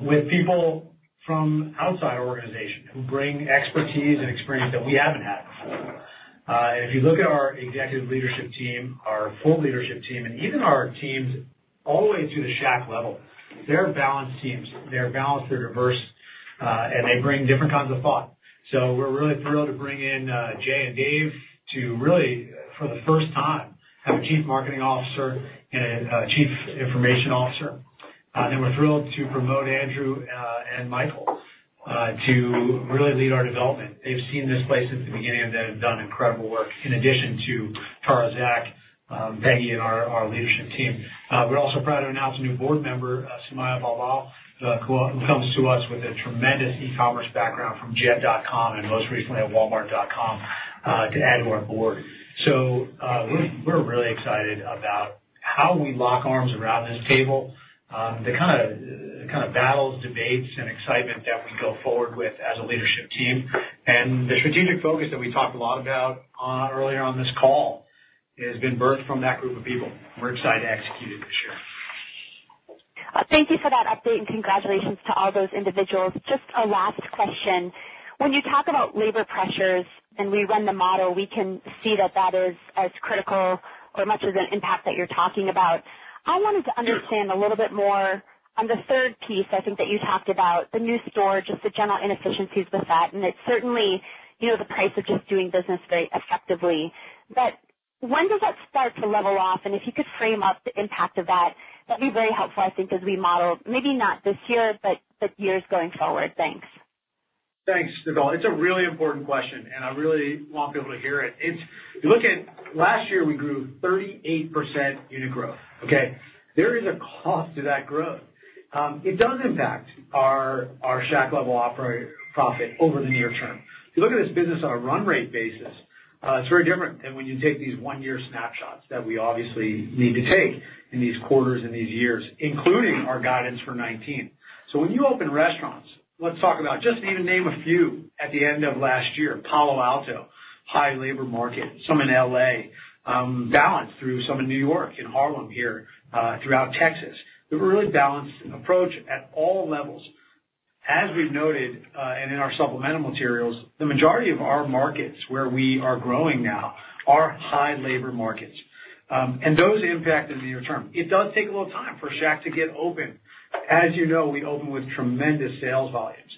with people from outside our organization who bring expertise and experience that we haven't had before. If you look at our executive leadership team, our full leadership team, and even our teams all the way to the Shack level, they're balanced teams. They're balanced, they're diverse, and they bring different kinds of thought. We're really thrilled to bring in Jay and Dave to really, for the first time, have a Chief Marketing Officer and a Chief Information Officer. We're thrilled to promote Andrew and Michael to really lead our development. They've seen this place at the beginning, they have done incredible work, in addition to Tara, Zach, Peggy, and our leadership team. We're also proud to announce a new board member, Sumaiya Balbale, who comes to us with a tremendous e-commerce background from Jet.com and most recently at walmart.com, to add to our board. We're really excited about how we lock arms around this table, the kind of battles, debates, and excitement that we go forward with as a leadership team. The strategic focus that we talked a lot about earlier on this call has been birthed from that group of people. We're excited to execute it this year. Thank you for that update, congratulations to all those individuals. Just a last question. When you talk about labor pressures and we run the model, we can see that that is as critical or as much as an impact that you're talking about. I wanted to understand a little bit more on the third piece, I think, that you talked about, the new store, just the general inefficiencies with that, and it's certainly the price of just doing business very effectively. When does that start to level off? If you could frame up the impact of that'd be very helpful I think as we model, maybe not this year, but years going forward. Thanks. Thanks, Nicole. It's a really important question, I really want people to hear it. If you look at last year, we grew 38% unit growth. Okay? There is a cost to that growth. It does impact our Shack level profit over the near term. If you look at this business on a run-rate basis, it's very different than when you take these one-year snapshots that we obviously need to take in these quarters and these years, including our guidance for 2019. When you open restaurants. Let's talk about, just even name a few at the end of last year, Palo Alto, high labor market, some in L.A., balanced through some in New York, in Harlem here, throughout Texas. We have a really balanced approach at all levels. As we've noted, in our supplemental materials, the majority of our markets where we are growing now are high labor markets. Those impact in the near term. It does take a little time for Shack to get open. As you know, we open with tremendous sales volumes.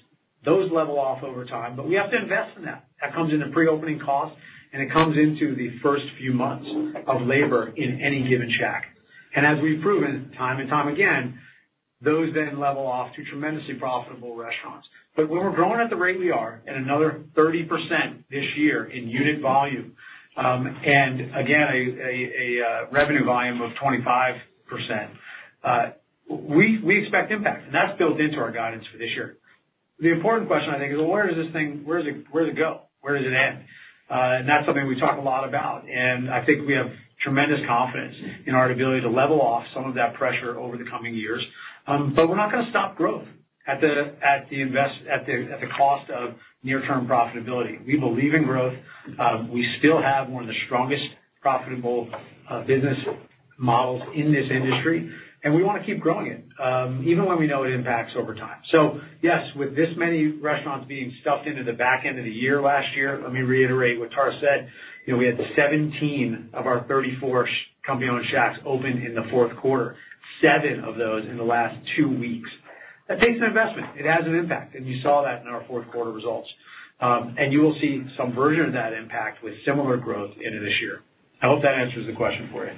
Those level off over time, but we have to invest in that. That comes into pre-opening costs, it comes into the first few months of labor in any given Shack. As we've proven time and time again, those then level off to tremendously profitable restaurants. When we're growing at the rate we are, at another 30% this year in unit volume, again, a revenue volume of 25%, we expect impact, that's built into our guidance for this year. The important question, I think, is where does it go? Where does it end? That's something we talk a lot about, and I think we have tremendous confidence in our ability to level off some of that pressure over the coming years. We're not going to stop growth at the cost of near-term profitability. We believe in growth. We still have one of the strongest profitable business models in this industry, and we want to keep growing it, even when we know it impacts over time. Yes, with this many restaurants being stuffed into the back end of the year last year, let me reiterate what Tara said. We had 17 of our 34 company-owned Shacks open in the fourth quarter, seven of those in the last two weeks. That takes an investment. It has an impact, and you saw that in our fourth quarter results. You will see some version of that impact with similar growth into this year. I hope that answers the question for you.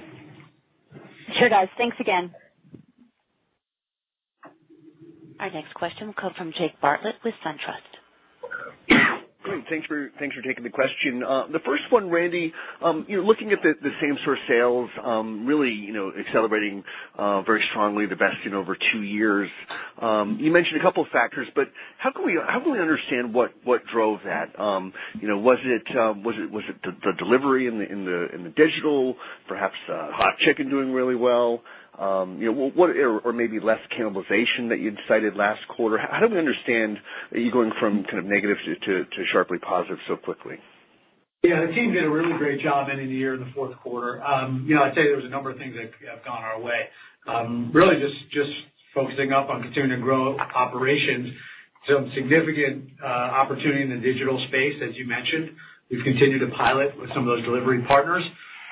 Sure does. Thanks again. Our next question will come from Jake Bartlett with SunTrust. Thanks for taking the question. The first one, Randy, looking at the same store sales really accelerating very strongly, the best in over two years. How can we understand what drove that? Was it the delivery in the digital, perhaps hot chicken doing really well? Maybe less cannibalization that you'd cited last quarter. How do we understand you going from kind of negative to sharply positive so quickly? The team did a really great job ending the year in the fourth quarter. I'd say there was a number of things that have gone our way. Just focusing up on continuing to grow operations. Some significant opportunity in the digital space, as you mentioned. We've continued to pilot with some of those delivery partners.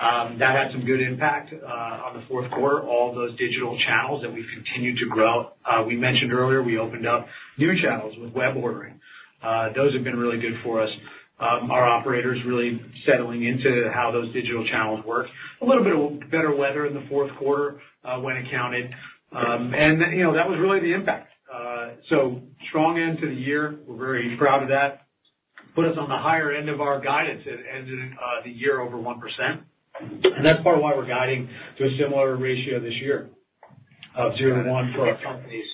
That had some good impact on the fourth quarter, all those digital channels that we've continued to grow. We mentioned earlier we opened up new channels with web ordering. Those have been really good for us. Our operators really settling into how those digital channels work. A little bit of better weather in the fourth quarter when it counted. That was really the impact. Strong end to the year. We're very proud of that. Put us on the higher end of our guidance at ending the year over 1%. That's part of why we're guiding to a similar ratio this year of zero to one for our companies.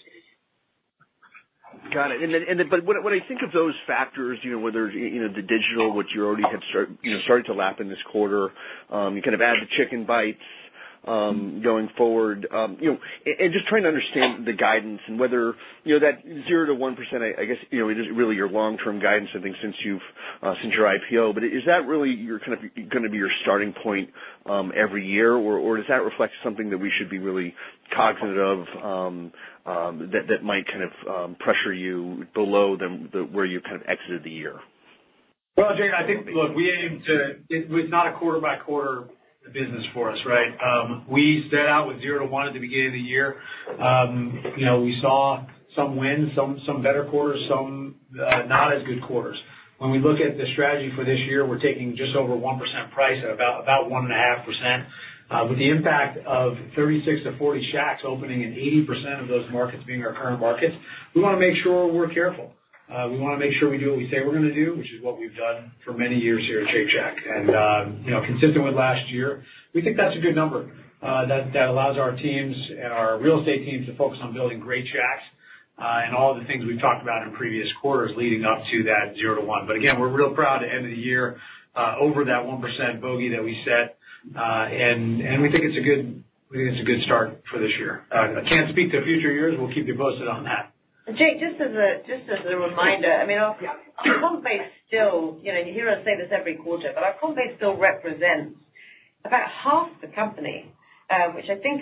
Got it. When I think of those factors, whether it's the digital, which you already have started to lap in this quarter, you add the Chick'n Bites going forward. Just trying to understand the guidance and whether that 0% to 1%, I guess, is really your long-term guidance, I think, since your IPO. Is that really going to be your starting point every year, or does that reflect something that we should be really cognizant of that might pressure you below where you exited the year? Well, Jake, I think, look, it was not a quarter-by-quarter business for us, right? We set out with zero to one at the beginning of the year. We saw some wins, some better quarters, some not as good quarters. When we look at the strategy for this year, we're taking just over 1% price, at about 1.5%. With the impact of 36 to 40 Shacks opening and 80% of those markets being our current markets, we want to make sure we're careful. We want to make sure we do what we say we're going to do, which is what we've done for many years here at Shake Shack. Consistent with last year, we think that's a good number that allows our teams and our real estate teams to focus on building great Shacks and all the things we've talked about in previous quarters leading up to that zero to one. Again, we're real proud to end the year over that 1% bogey that we set, and we think it's a good start for this year. I can't speak to future years. We'll keep you posted on that. Jake, just as a reminder, our comp base still, you hear us say this every quarter, but our comp base still represents about half the company, which I think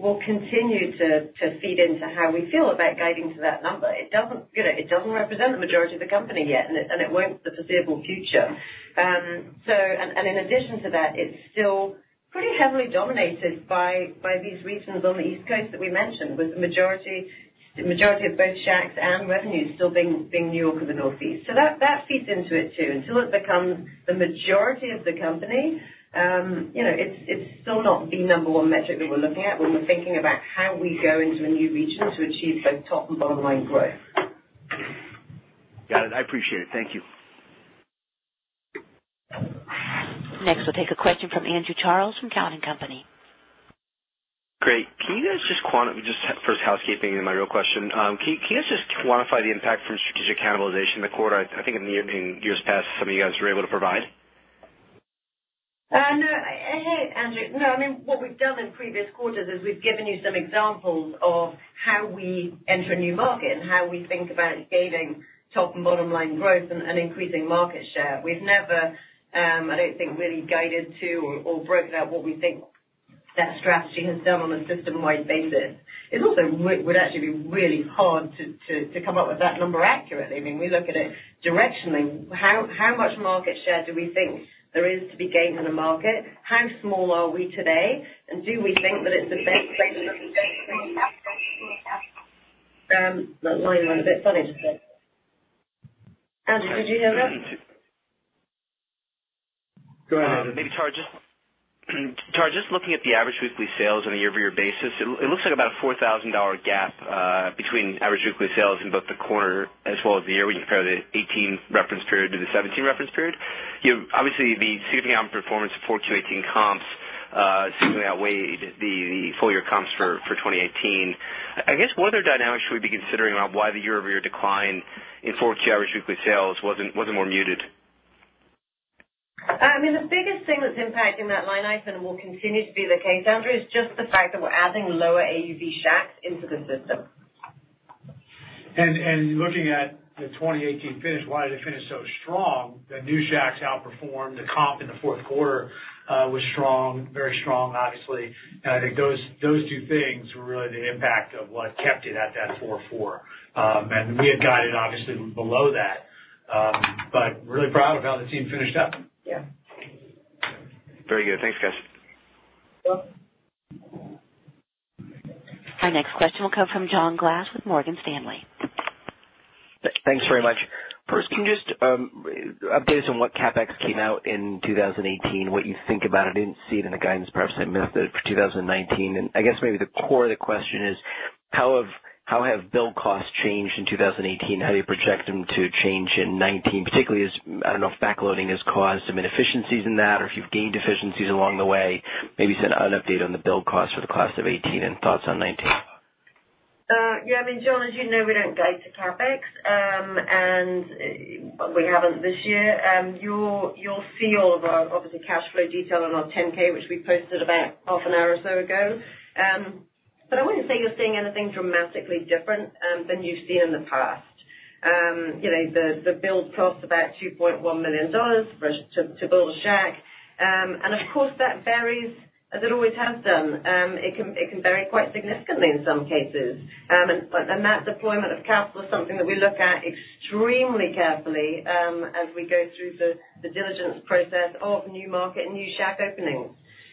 will continue to feed into how we feel about guiding to that number. It doesn't represent the majority of the company yet, and it won't for the foreseeable future. In addition to that, it's still pretty heavily dominated by these regions on the East Coast that we mentioned, with the majority of both Shacks and revenues still being New York and the Northeast. That feeds into it too. Until it becomes the majority of the company, it's still not the number one metric that we're looking at when we're thinking about how we go into a new region to achieve both top and bottom-line growth. Got it. I appreciate it. Thank you. We'll take a question from Andrew Charles from Cowen and Company. Great. Housekeeping and my real question. Can you just quantify the impact from strategic cannibalization in the quarter? I think in years past, some of you guys were able to provide. Hey, Andrew. What we've done in previous quarters is we've given you some examples of how we enter a new market and how we think about gaining top and bottom-line growth and increasing market share. We've never, I don't think, really guided to or broken out what we think that strategy has done on a system-wide basis. It also would actually be really hard to come up with that number accurately. We look at it directionally. How much market share do we think there is to be gained in the market? How small are we today? And do we think that it's the best The line went a bit funny just then. Andrew, did you hear that? Go ahead, Andrew. Maybe, Tara, just looking at the average weekly sales on a year-over-year basis, it looks like about a $4,000 gap between average weekly sales in both the quarter as well as the year, when you compare the 2018 reference period to the 2017 reference period. Obviously, the same performance 4Q 2018 comps seemingly outweighed the full-year comps for 2018. I guess, what other dynamics should we be considering about why the year-over-year decline in 4Q average weekly sales wasn't more muted? The biggest thing that's impacting that line item and will continue to be the case, Andrew, is just the fact that we're adding lower AUV Shacks into the system. Looking at the 2018 finish, why did it finish so strong? The new Shacks outperformed the comp in the fourth quarter, was very strong, obviously. I think those two things were really the impact of what kept it at that four four. We had guided, obviously, below that. Really proud of how the team finished up. Yeah. Very good. Thanks, guys. Welcome. Our next question will come from John Glass with Morgan Stanley. Thanks very much. First, can you just update us on what CapEx came out in 2018, what you think about it? I didn't see it in the guidance, perhaps I missed it, for 2019. I guess maybe the core of the question is, how have build costs changed in 2018? How do you project them to change in 2019? Particularly as, I don't know if backloading has caused some inefficiencies in that, or if you've gained efficiencies along the way. Maybe just an update on the build cost for the class of 2018 and thoughts on 2019. Yeah, John, as you know, we don't guide to CapEx, and we haven't this year. You'll see all of our, obviously, cash flow detail on our 10-K, which we posted about half an hour or so ago. I wouldn't say you're seeing anything dramatically different than you've seen in the past. The build cost about $2.1 million to build a Shack. Of course, that varies as it always has done. It can vary quite significantly in some cases. That deployment of capital is something that we look at extremely carefully as we go through the diligence process of new market and new Shack openings.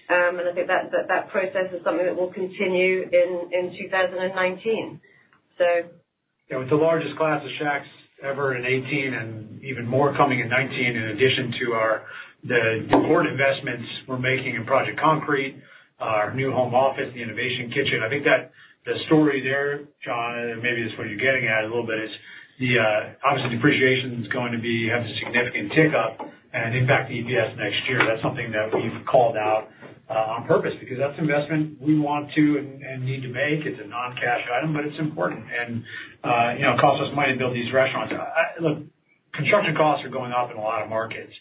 I think that process is something that will continue in 2019. Yeah, with the largest class of Shacks ever in 2018 and even more coming in 2019, in addition to the core investments we're making in Project Concrete, our new home office, the Innovation Kitchen, I think that the story there, John, maybe it's what you're getting at a little bit, is obviously depreciation's going to have a significant tick up and impact the EPS next year. That's something that we've called out on purpose because that's investment we want to and need to make. It's a non-cash item, but it's important and costs us money to build these restaurants. Look, construction costs are going up in a lot of markets.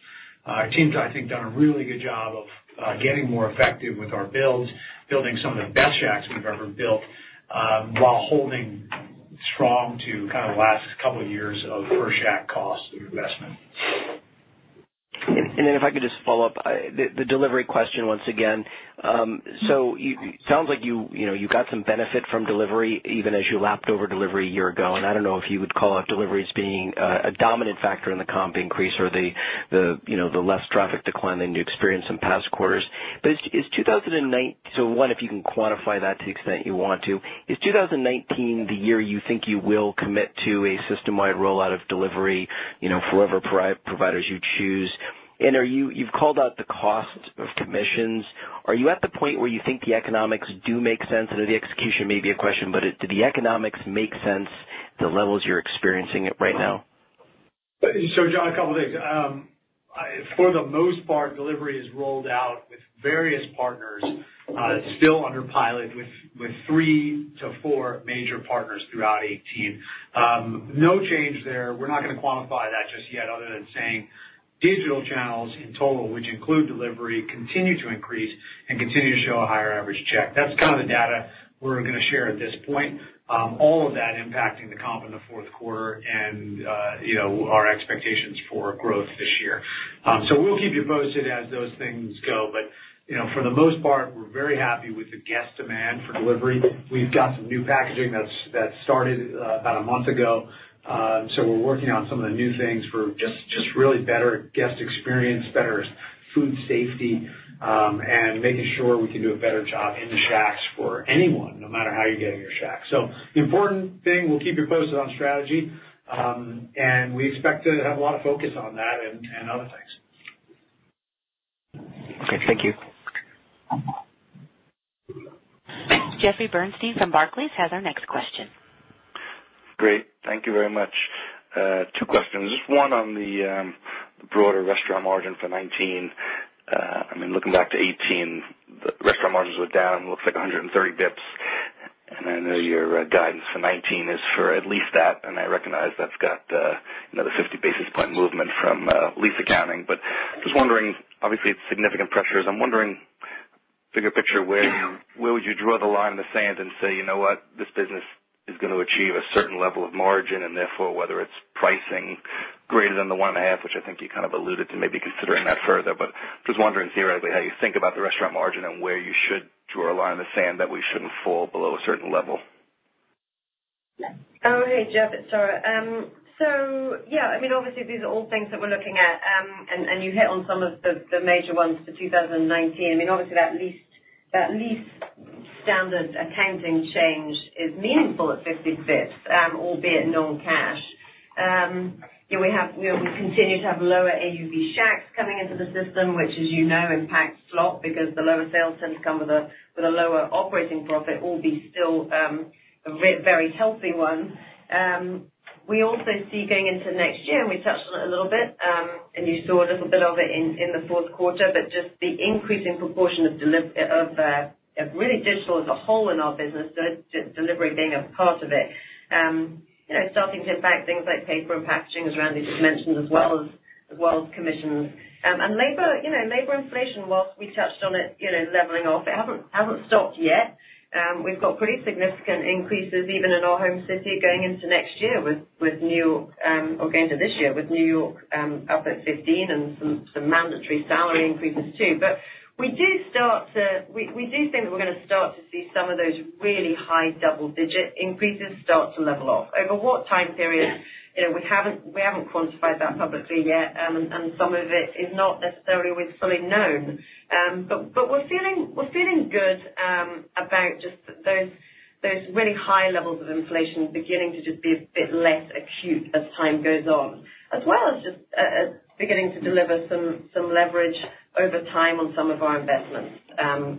Our team's, I think, done a really good job of getting more effective with our builds, building some of the best Shacks we've ever built, while holding strong to last couple of years of per-Shack cost investment. If I could just follow up, the delivery question once again. It sounds like you got some benefit from delivery even as you lapped over delivery a year ago, and I don't know if you would call out delivery as being a dominant factor in the comp increase or the less traffic decline than you experienced in past quarters. One, if you can quantify that to the extent you want to, is 2019 the year you think you will commit to a system-wide rollout of delivery, for whatever providers you choose? You've called out the cost of commissions. Are you at the point where you think the economics do make sense? I know the execution may be a question, but do the economics make sense at the levels you're experiencing it right now? John, a couple of things. For the most part, delivery is rolled out with various partners. It's still under pilot with three to four major partners throughout 2018. No change there. We're not going to quantify that just yet other than saying digital channels in total, which include delivery, continue to increase and continue to show a higher average check. That's kind of the data we're going to share at this point. All of that impacting the comp in the fourth quarter and our expectations for growth this year. We'll keep you posted as those things go, but for the most part, we're very happy with the guest demand for delivery. We've got some new packaging that started about a month ago. We're working on some of the new things for just really better guest experience, better food safety, and making sure we can do a better job in the Shacks for anyone, no matter how you're getting your Shack. The important thing, we'll keep you posted on strategy. We expect to have a lot of focus on that and other things. Okay. Thank you. Jeffrey Bernstein from Barclays has our next question. Great. Thank you very much. Two questions. Just one on the broader restaurant margin for 2019. Looking back to 2018, the restaurant margins were down, looks like 130 basis points. I know your guidance for 2019 is for at least that, and I recognize that's got another 50 basis point movement from lease accounting. Just wondering, obviously, it's significant pressures. I'm wondering, bigger picture, where would you draw the line in the sand and say, "You know what? This business is going to achieve a certain level of margin," and therefore whether it's pricing greater than the one and a half, which I think you kind of alluded to maybe considering that further. Just wondering theoretically how you think about the restaurant margin and where you should draw a line in the sand that we shouldn't fall below a certain level. Oh, hey, Jeff. It's Tara. Yeah, obviously, these are all things that we're looking at, and you hit on some of the major ones for 2019. Obviously, that lease standard accounting change is meaningful at 50 basis points, albeit non-cash. We continue to have lower AUV Shacks coming into the system, which, as you know, impacts a lot because the lower sales tend to come with a lower operating profit, albeit still a very healthy one. We also see going into next year, and we touched on it a little bit, and you saw a little bit of it in the fourth quarter, but just the increasing proportion of really digital as a whole in our business, delivery being a part of it, starting to impact things like paper and packaging, as Randy just mentioned, as well as commissions. Labor inflation, whilst we touched on it leveling off, it hasn't stopped yet. We've got pretty significant increases even in our home city going into this year with N.Y. up at 15% and some mandatory salary increases, too. We do think that we're going to start to see some of those really high double-digit increases start to level off. Over what time period, we haven't quantified that publicly yet, and some of it is not necessarily with something known. We're feeling good about just those really high levels of inflation beginning to just be a bit less acute as time goes on. As well as just beginning to deliver some leverage over time on some of our investments,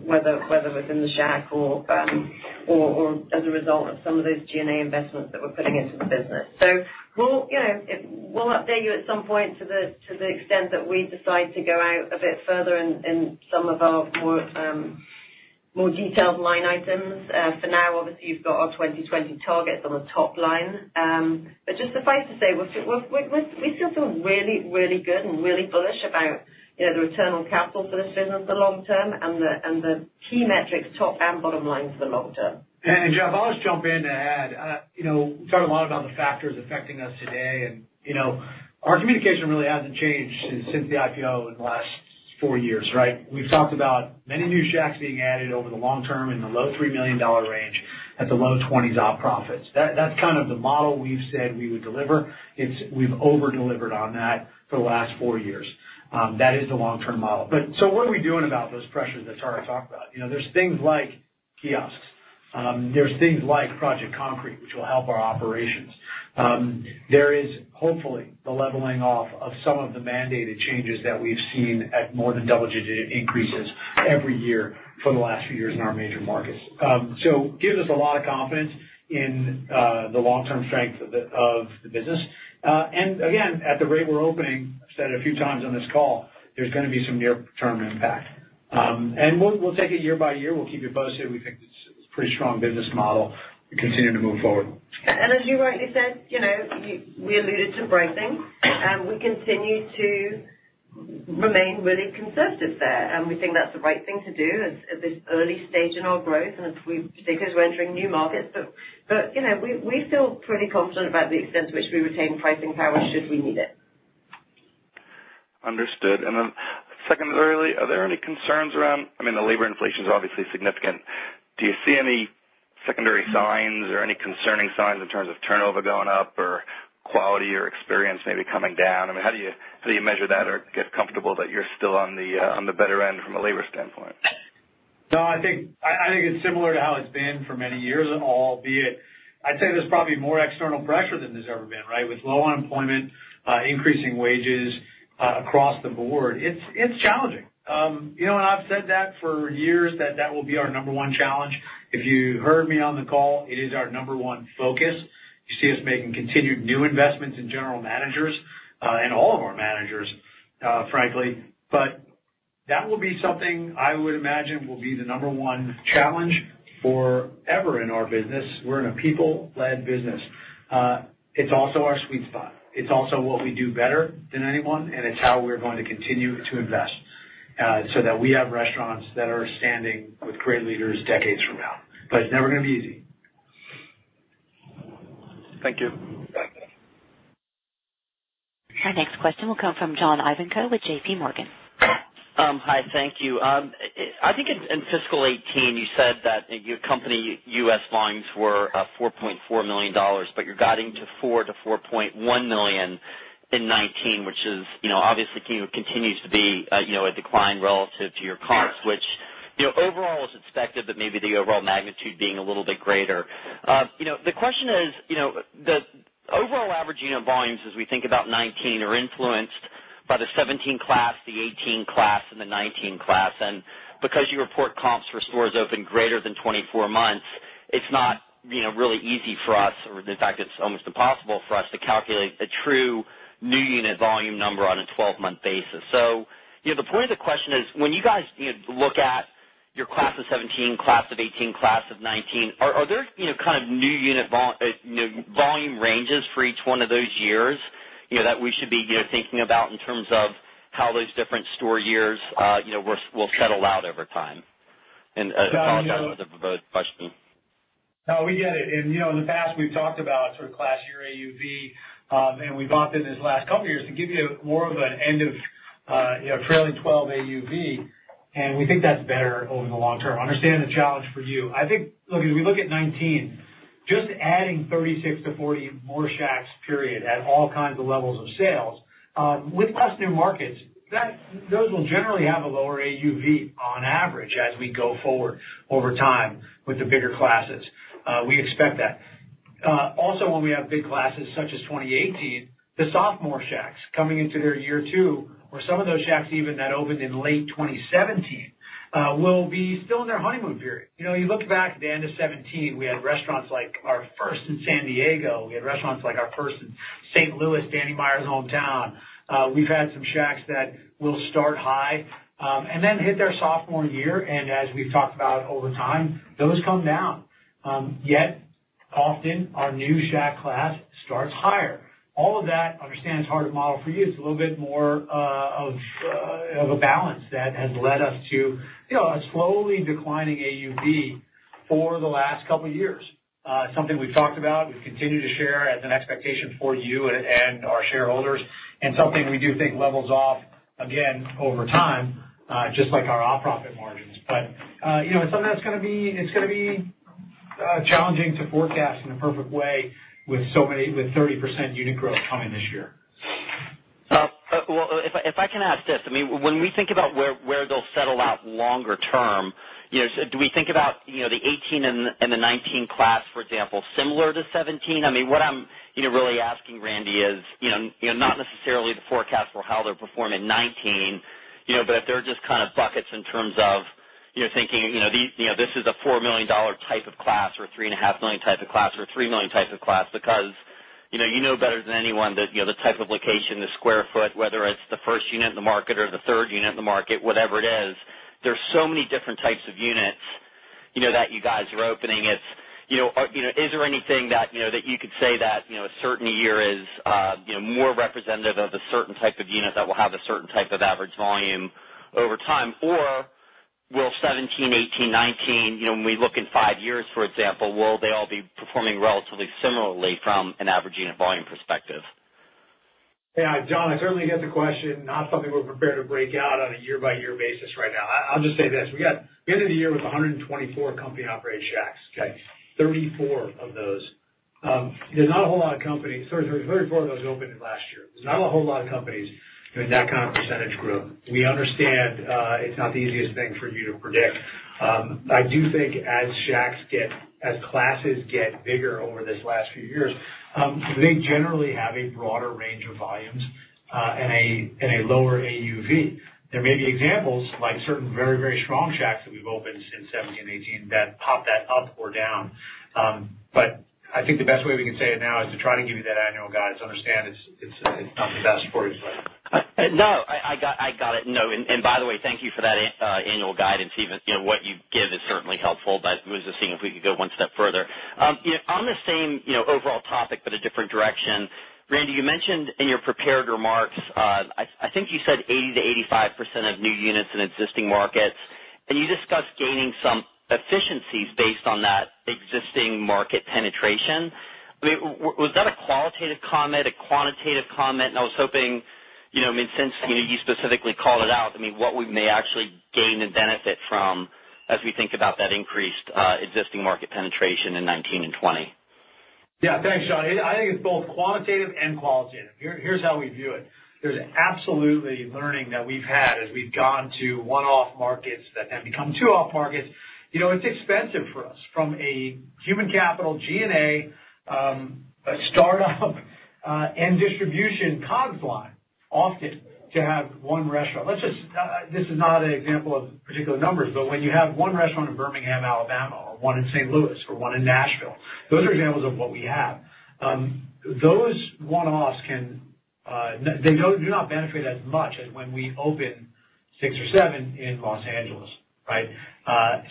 whether within the Shack or as a result of some of those G&A investments that we're putting into the business. We'll update you at some point to the extent that we decide to go out a bit further in some of our more detailed line items. For now, obviously, you've got our 2020 targets on the top line. Just suffice to say, we still feel really, really good and really bullish about the return on capital for this business for the long term and the key metrics top and bottom line for the long term. Jeff, I'll just jump in to add. We talked a lot about the factors affecting us today, and our communication really hasn't changed since the IPO in the last four years, right? We've talked about many new Shacks being added over the long term in the low $3 million range at the low 20s op profits. That's kind of the model we've said we would deliver. We've over-delivered on that for the last four years. That is the long-term model. What are we doing about those pressures that Tara talked about? There's things like kiosks. There's things like Project Concrete, which will help our operations. There is, hopefully, the leveling off of some of the mandated changes that we've seen at more than double-digit increases every year for the last few years in our major markets. It gives us a lot of confidence in the long-term strength of the business. Again, at the rate we're opening, I've said it a few times on this call, there's going to be some near-term impact. We'll take it year by year. We'll keep you posted. We think it's a pretty strong business model and continue to move forward. As you rightly said, we alluded to pricing. We continue to remain really conservative there, and we think that's the right thing to do at this early stage in our growth and because we're entering new markets. We feel pretty confident about the extent to which we retain pricing power should we need it. Understood. Secondly, are there any concerns around the labor inflation is obviously significant. Do you see any secondary signs or any concerning signs in terms of turnover going up or quality or experience maybe coming down? How do you measure that or get comfortable that you're still on the better end from a labor standpoint? No, I think it's similar to how it's been for many years, albeit I'd say there's probably more external pressure than there's ever been, right? With low unemployment, increasing wages across the board. It's challenging. I've said that for years that that will be our number 1 challenge. If you heard me on the call, it is our number 1 focus. You see us making continued new investments in general managers, and all of our managers, frankly. That will be something I would imagine will be the number 1 challenge forever in our business. We're in a people-led business. It's also our sweet spot. It's also what we do better than anyone, and it's how we're going to continue to invest so that we have restaurants that are standing with great leaders decades from now. It's never going to be easy. Thank you. Our next question will come from John Ivankoe with JPMorgan. Hi, thank you. I think in fiscal 2018, you said that your company U.S. volumes were $4.4 million, but you are guiding to $4 million-$4.1 million in 2019, which obviously continues to be a decline relative to your comps, which overall is expected, but maybe the overall magnitude being a little bit greater. The question is, the overall average unit volumes as we think about 2019 are influenced by the 2017 class, the 2018 class, and the 2019 class. Because you report comps for stores open greater than 24 months, it is not really easy for us, or in fact, it is almost impossible for us to calculate a true new unit volume number on a 12-month basis. The point of the question is, when you guys look at your class of 2017, class of 2018, class of 2019. Are there new unit volume ranges for each one of those years, that we should be thinking about in terms of how those different store years will settle out over time? I apologize if that was a verbose question. No, we get it. In the past, we have talked about class year AUV, and we have opted these last couple years to give you more of an end of trailing 12 AUV, and we think that is better over the long term. Understand the challenge for you. I think, look, as we look at 2019, just adding 36 to 40 more Shacks, period, at all kinds of levels of sales, with less new markets, those will generally have a lower AUV on average as we go forward over time with the bigger classes. We expect that. Also when we have big classes, such as 2018, the sophomore Shacks coming into their year 2 or some of those Shacks even that opened in late 2017, will be still in their honeymoon period. You look back at the end of 2017, we had restaurants like our first in San Diego, we had restaurants like our first in St. Louis, Danny Meyer's hometown. We have had some Shacks that will start high, then hit their sophomore year, and as we have talked about over time, those come down. Yet often our new Shack class starts higher. All of that, understand, is hard to model for you. It is a little bit more of a balance that has led us to a slowly declining AUV for the last couple of years. Something we have talked about, we have continued to share as an expectation for you and our shareholders, and something we do think levels off again over time, just like our op profit margins. It is something that is going to be challenging to forecast in a perfect way with 30% unit growth coming this year. Well, if I can ask this, when we think about where they'll settle out longer term, do we think about the 2018 and the 2019 class, for example, similar to 2017? What I'm really asking, Randy, is not necessarily the forecast for how they'll perform in 2019, but if there are just kind of buckets in terms of thinking this is a $4 million type of class or a three and a half million type of class or a $3 million type of class. You know better than anyone that the type of location, the sq ft, whether it's the first unit in the market or the third unit in the market, whatever it is, there's so many different types of units that you guys are opening. Is there anything that you could say that a certain year is more representative of a certain type of unit that will have a certain type of average volume over time? Will 2017, 2018, 2019, when we look in five years, for example, will they all be performing relatively similarly from an AUV perspective? Yeah. John, I certainly get the question. Not something we're prepared to break out on a year-by-year basis right now. I'll just say this. We got into the year with 124 company-operated Shacks. Okay? 34 of those opened in last year. There's not a whole lot of companies doing that kind of % growth. We understand, it's not the easiest thing for you to predict. I do think as classes get bigger over these last few years, they generally have a broader range of volumes, and a lower AUV. There may be examples like certain very, very strong Shacks that we've opened since 2017, 2018 that pop that up or down. I think the best way we can say it now is to try to give you that annual guidance. Understand it's not the best for you. No, I got it. No, by the way, thank you for that annual guidance. What you give is certainly helpful, was just seeing if we could go one step further. On the same overall topic a different direction, Randy, you mentioned in your prepared remarks, I think you said 80%-85% of new units in existing markets, you discussed gaining some efficiencies based on that existing market penetration. Was that a qualitative comment, a quantitative comment? I was hoping, since you specifically called it out, what we may actually gain and benefit from as we think about that increased existing market penetration in 2019 and 2020. Yeah. Thanks, John. I think it's both quantitative and qualitative. Here's how we view it. There's absolutely learning that we've had as we've gone to one-off markets that have become two-off markets. It's expensive for us. From a human capital, G&A, a startup and distribution COGS line often to have one restaurant. This is not an example of particular numbers, but when you have one restaurant in Birmingham, Alabama, or one in St. Louis or one in Nashville, those are examples of what we have. Those one-offs do not benefit as much as when we open six or seven in Los Angeles, right?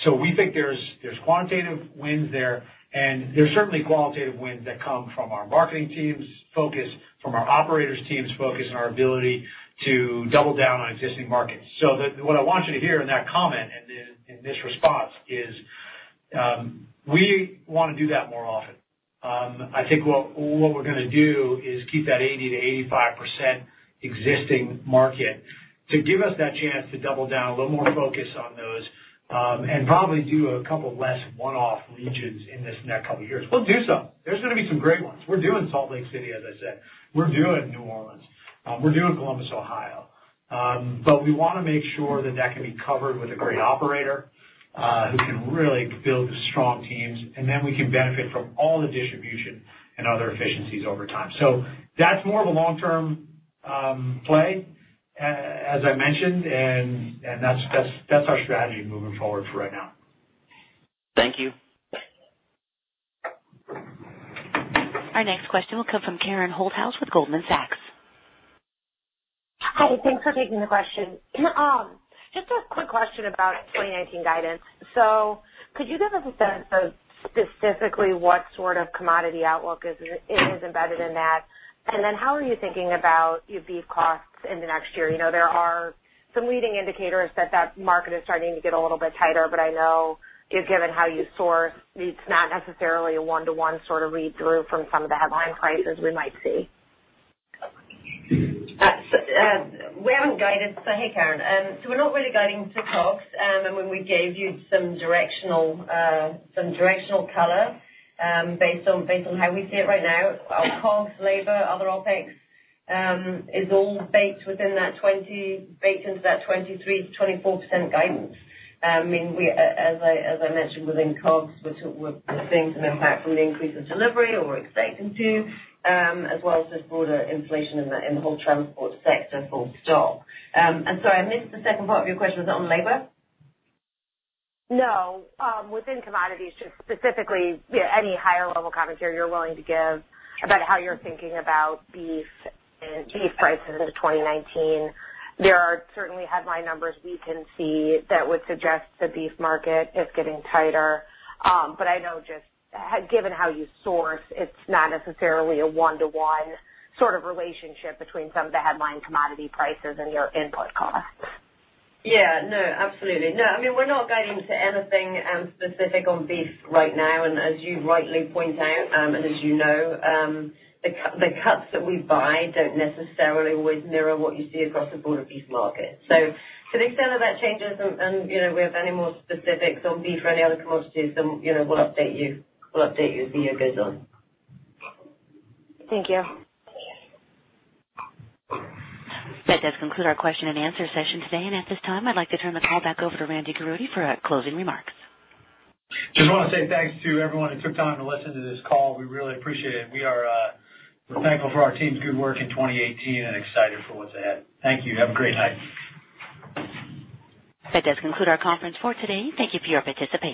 We think there's quantitative wins there, and there's certainly qualitative wins that come from our marketing team's focus, from our operators team's focus, and our ability to double down on existing markets. What I want you to hear in that comment and in this response is we want to do that more often. I think what we're going to do is keep that 80%-85% existing market to give us that chance to double down, a little more focus on those, and probably do a couple less one-off regions in this next couple years. We'll do some. There's going to be some great ones. We're doing Salt Lake City, as I said. We're doing New Orleans. We're doing Columbus, Ohio. We want to make sure that that can be covered with a great operator, who can really build the strong teams, and then we can benefit from all the distribution and other efficiencies over time. That's more of a long-term play, as I mentioned, and that's our strategy moving forward for right now. Thank you. Our next question will come from Karen Holthouse with Goldman Sachs. Hi. Thanks for taking the question. Just a quick question about 2019 guidance. Could you give us a sense of specifically what sort of commodity outlook is embedded in that? How are you thinking about your beef costs in the next year? There are some leading indicators that that market is starting to get a little bit tighter. I know, given how you source, it's not necessarily a one-to-one read-through from some of the headline prices we might see. We haven't guided. Hey, Karen. We're not really guiding to costs. When we gave you some directional color based on how we see it right now, our costs, labor, other OpEx, is all baked into that 23%-24% guidance. As I mentioned, within costs, we're seeing some impact from the increase in delivery, or we're expecting to, as well as just broader inflation in the whole transport sector full stop. I'm sorry, I missed the second part of your question. Was it on labor? No. Within commodities, just specifically any higher level commentary you're willing to give about how you're thinking about beef and beef prices into 2019. There are certainly headline numbers we can see that would suggest the beef market is getting tighter. I know, just given how you source, it's not necessarily a one-to-one sort of relationship between some of the headline commodity prices and your input costs. Yeah, no, absolutely. No, we're not guiding to anything specific on beef right now. As you rightly point out, and as you know, the cuts that we buy don't necessarily always mirror what you see across the broader beef market. To the extent that that changes and we have any more specifics on beef or any other commodities, we'll update you as the year goes on. Thank you. That does conclude our question and answer session today. At this time, I'd like to turn the call back over to Randy Garutti for closing remarks. Just want to say thanks to everyone who took time to listen to this call. We really appreciate it. We're thankful for our team's good work in 2018 and excited for what's ahead. Thank you. Have a great night. That does conclude our conference for today. Thank you for your participation.